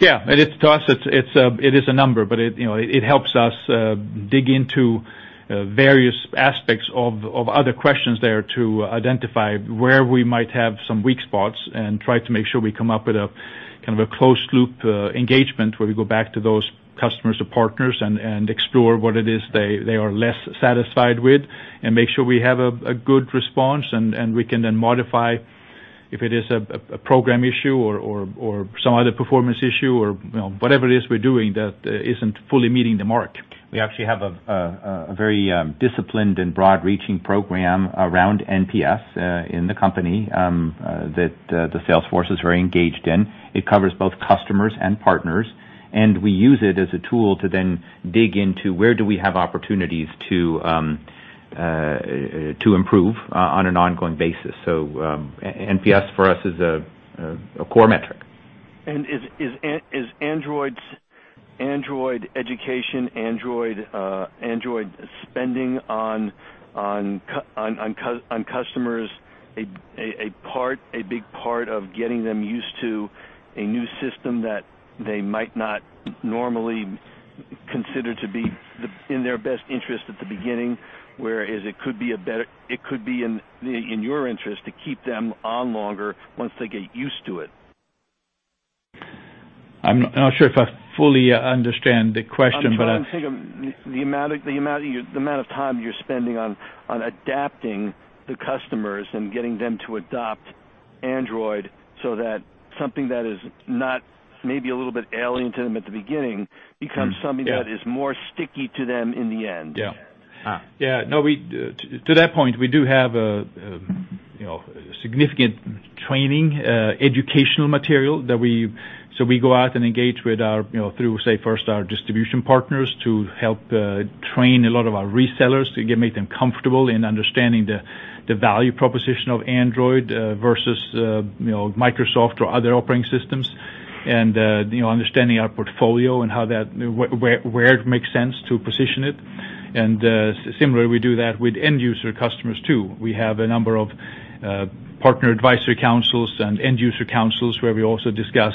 To us, it is a number, but it helps us dig into various aspects of other questions there to identify where we might have some weak spots and try to make sure we come up with a kind of a closed loop engagement, where we go back to those customers or partners and explore what it is they are less satisfied with and make sure we have a good response. We can then modify if it is a program issue or some other performance issue or whatever it is we're doing that isn't fully meeting the mark. We actually have a very disciplined and broad-reaching program around NPS in the company that the sales force is very engaged in. It covers both customers and partners, and we use it as a tool to then dig into where do we have opportunities to improve on an ongoing basis. NPS for us is a core metric. Is Android education, Android spending on customers, a big part of getting them used to a new system that they might not normally consider to be in their best interest at the beginning? Whereas it could be in your interest to keep them on longer once they get used to it. I'm not sure if I fully understand the question. I'm trying to think of the amount of time you're spending on adapting the customers and getting them to adopt Android so that something that is not maybe a little bit alien to them at the beginning becomes something. Yeah That is more sticky to them in the end. Yeah. Yeah. No, to that point, we do have a significant training, educational material. We go out and engage through, say, first our distribution partners to help train a lot of our resellers to make them comfortable in understanding the value proposition of Android versus Microsoft or other operating systems. Understanding our portfolio and where it makes sense to position it. Similarly, we do that with end user customers too. We have a number of partner advisory councils and end user councils where we also discuss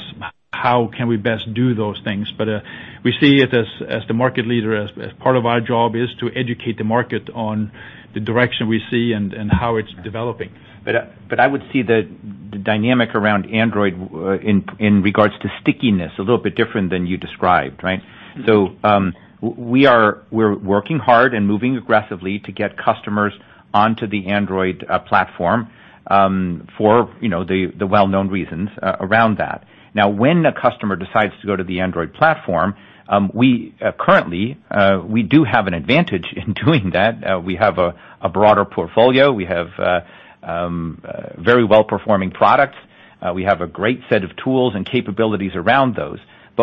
how can we best do those things. We see it, as the market leader, part of our job is to educate the market on the direction we see and how it's developing. I would see the dynamic around Android in regards to stickiness a little bit different than you described, right? We're working hard and moving aggressively to get customers onto the Android platform for the well-known reasons around that. When a customer decides to go to the Android platform, currently, we do have an advantage in doing that. We have a broader portfolio. We have very well-performing products. We have a great set of tools and capabilities around those.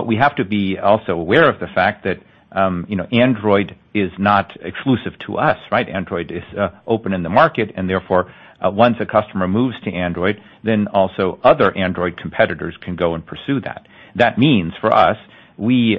We have to be also aware of the fact that Android is not exclusive to us, right? Android is open in the market, therefore, once a customer moves to Android, also other Android competitors can go and pursue that. That means for us, we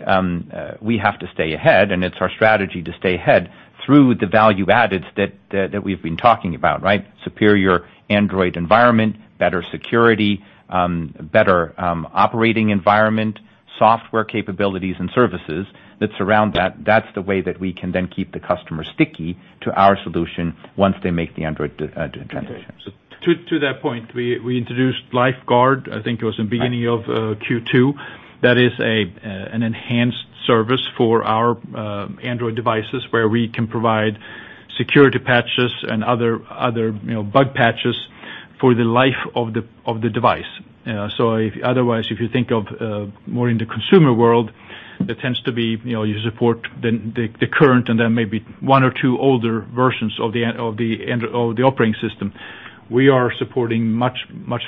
have to stay ahead, it's our strategy to stay ahead through the value addeds that we've been talking about, right? Superior Android environment, better security, better operating environment, software capabilities and services that surround that. That's the way that we can then keep the customer sticky to our solution once they make the Android transition. To that point, we introduced LifeGuard, I think it was in beginning of Q2. That is an enhanced service for our Android devices where we can provide security patches and other bug patches for the life of the device. Otherwise, if you think of more in the consumer world, there tends to be you support the current and then maybe one or two older versions of the operating system. We are supporting much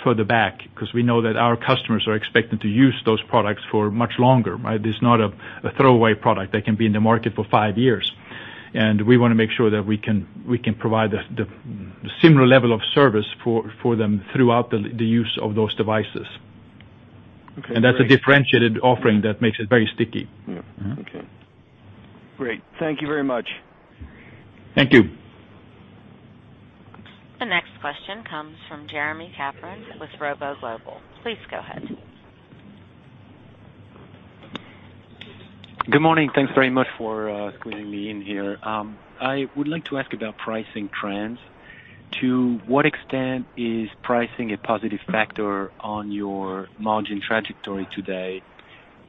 further back because we know that our customers are expecting to use those products for much longer, right? It's not a throwaway product. They can be in the market for five years, we want to make sure that we can provide the similar level of service for them throughout the use of those devices. Okay. That's a differentiated offering that makes it very sticky. Yeah. Okay. Great. Thank you very much. Thank you. The next question comes from Jeremie Capron with ROBO Global. Please go ahead. Good morning. Thanks very much for squeezing me in here. I would like to ask about pricing trends. To what extent is pricing a positive factor on your margin trajectory today?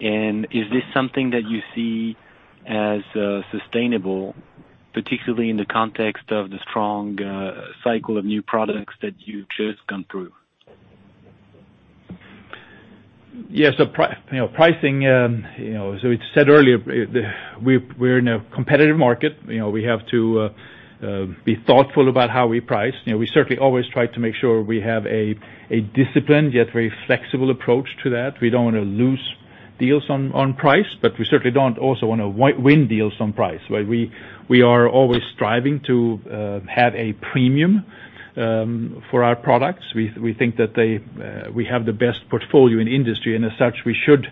Is this something that you see as sustainable, particularly in the context of the strong cycle of new products that you've just gone through? Pricing, as we said earlier, we're in a competitive market. We have to be thoughtful about how we price. We certainly always try to make sure we have a disciplined, yet very flexible approach to that. We don't want to lose deals on price, but we certainly don't also want to win deals on price. We are always striving to have a premium for our products. We think that we have the best portfolio in the industry, and as such, we should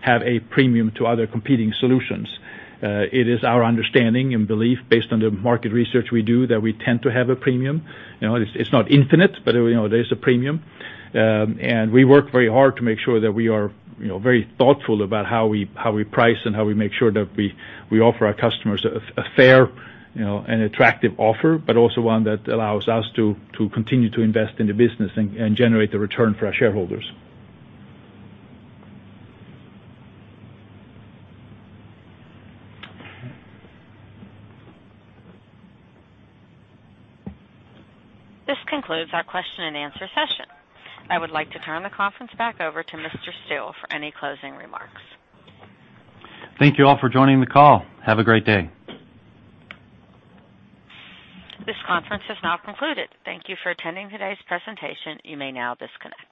have a premium to other competing solutions. It is our understanding and belief based on the market research we do that we tend to have a premium. It's not infinite, but there's a premium. We work very hard to make sure that we are very thoughtful about how we price and how we make sure that we offer our customers a fair and attractive offer, but also one that allows us to continue to invest in the business and generate the return for our shareholders. This concludes our question and answer session. I would like to turn the conference back over to Mr. Steele for any closing remarks. Thank you all for joining the call. Have a great day. This conference is now concluded. Thank you for attending today's presentation. You may now disconnect.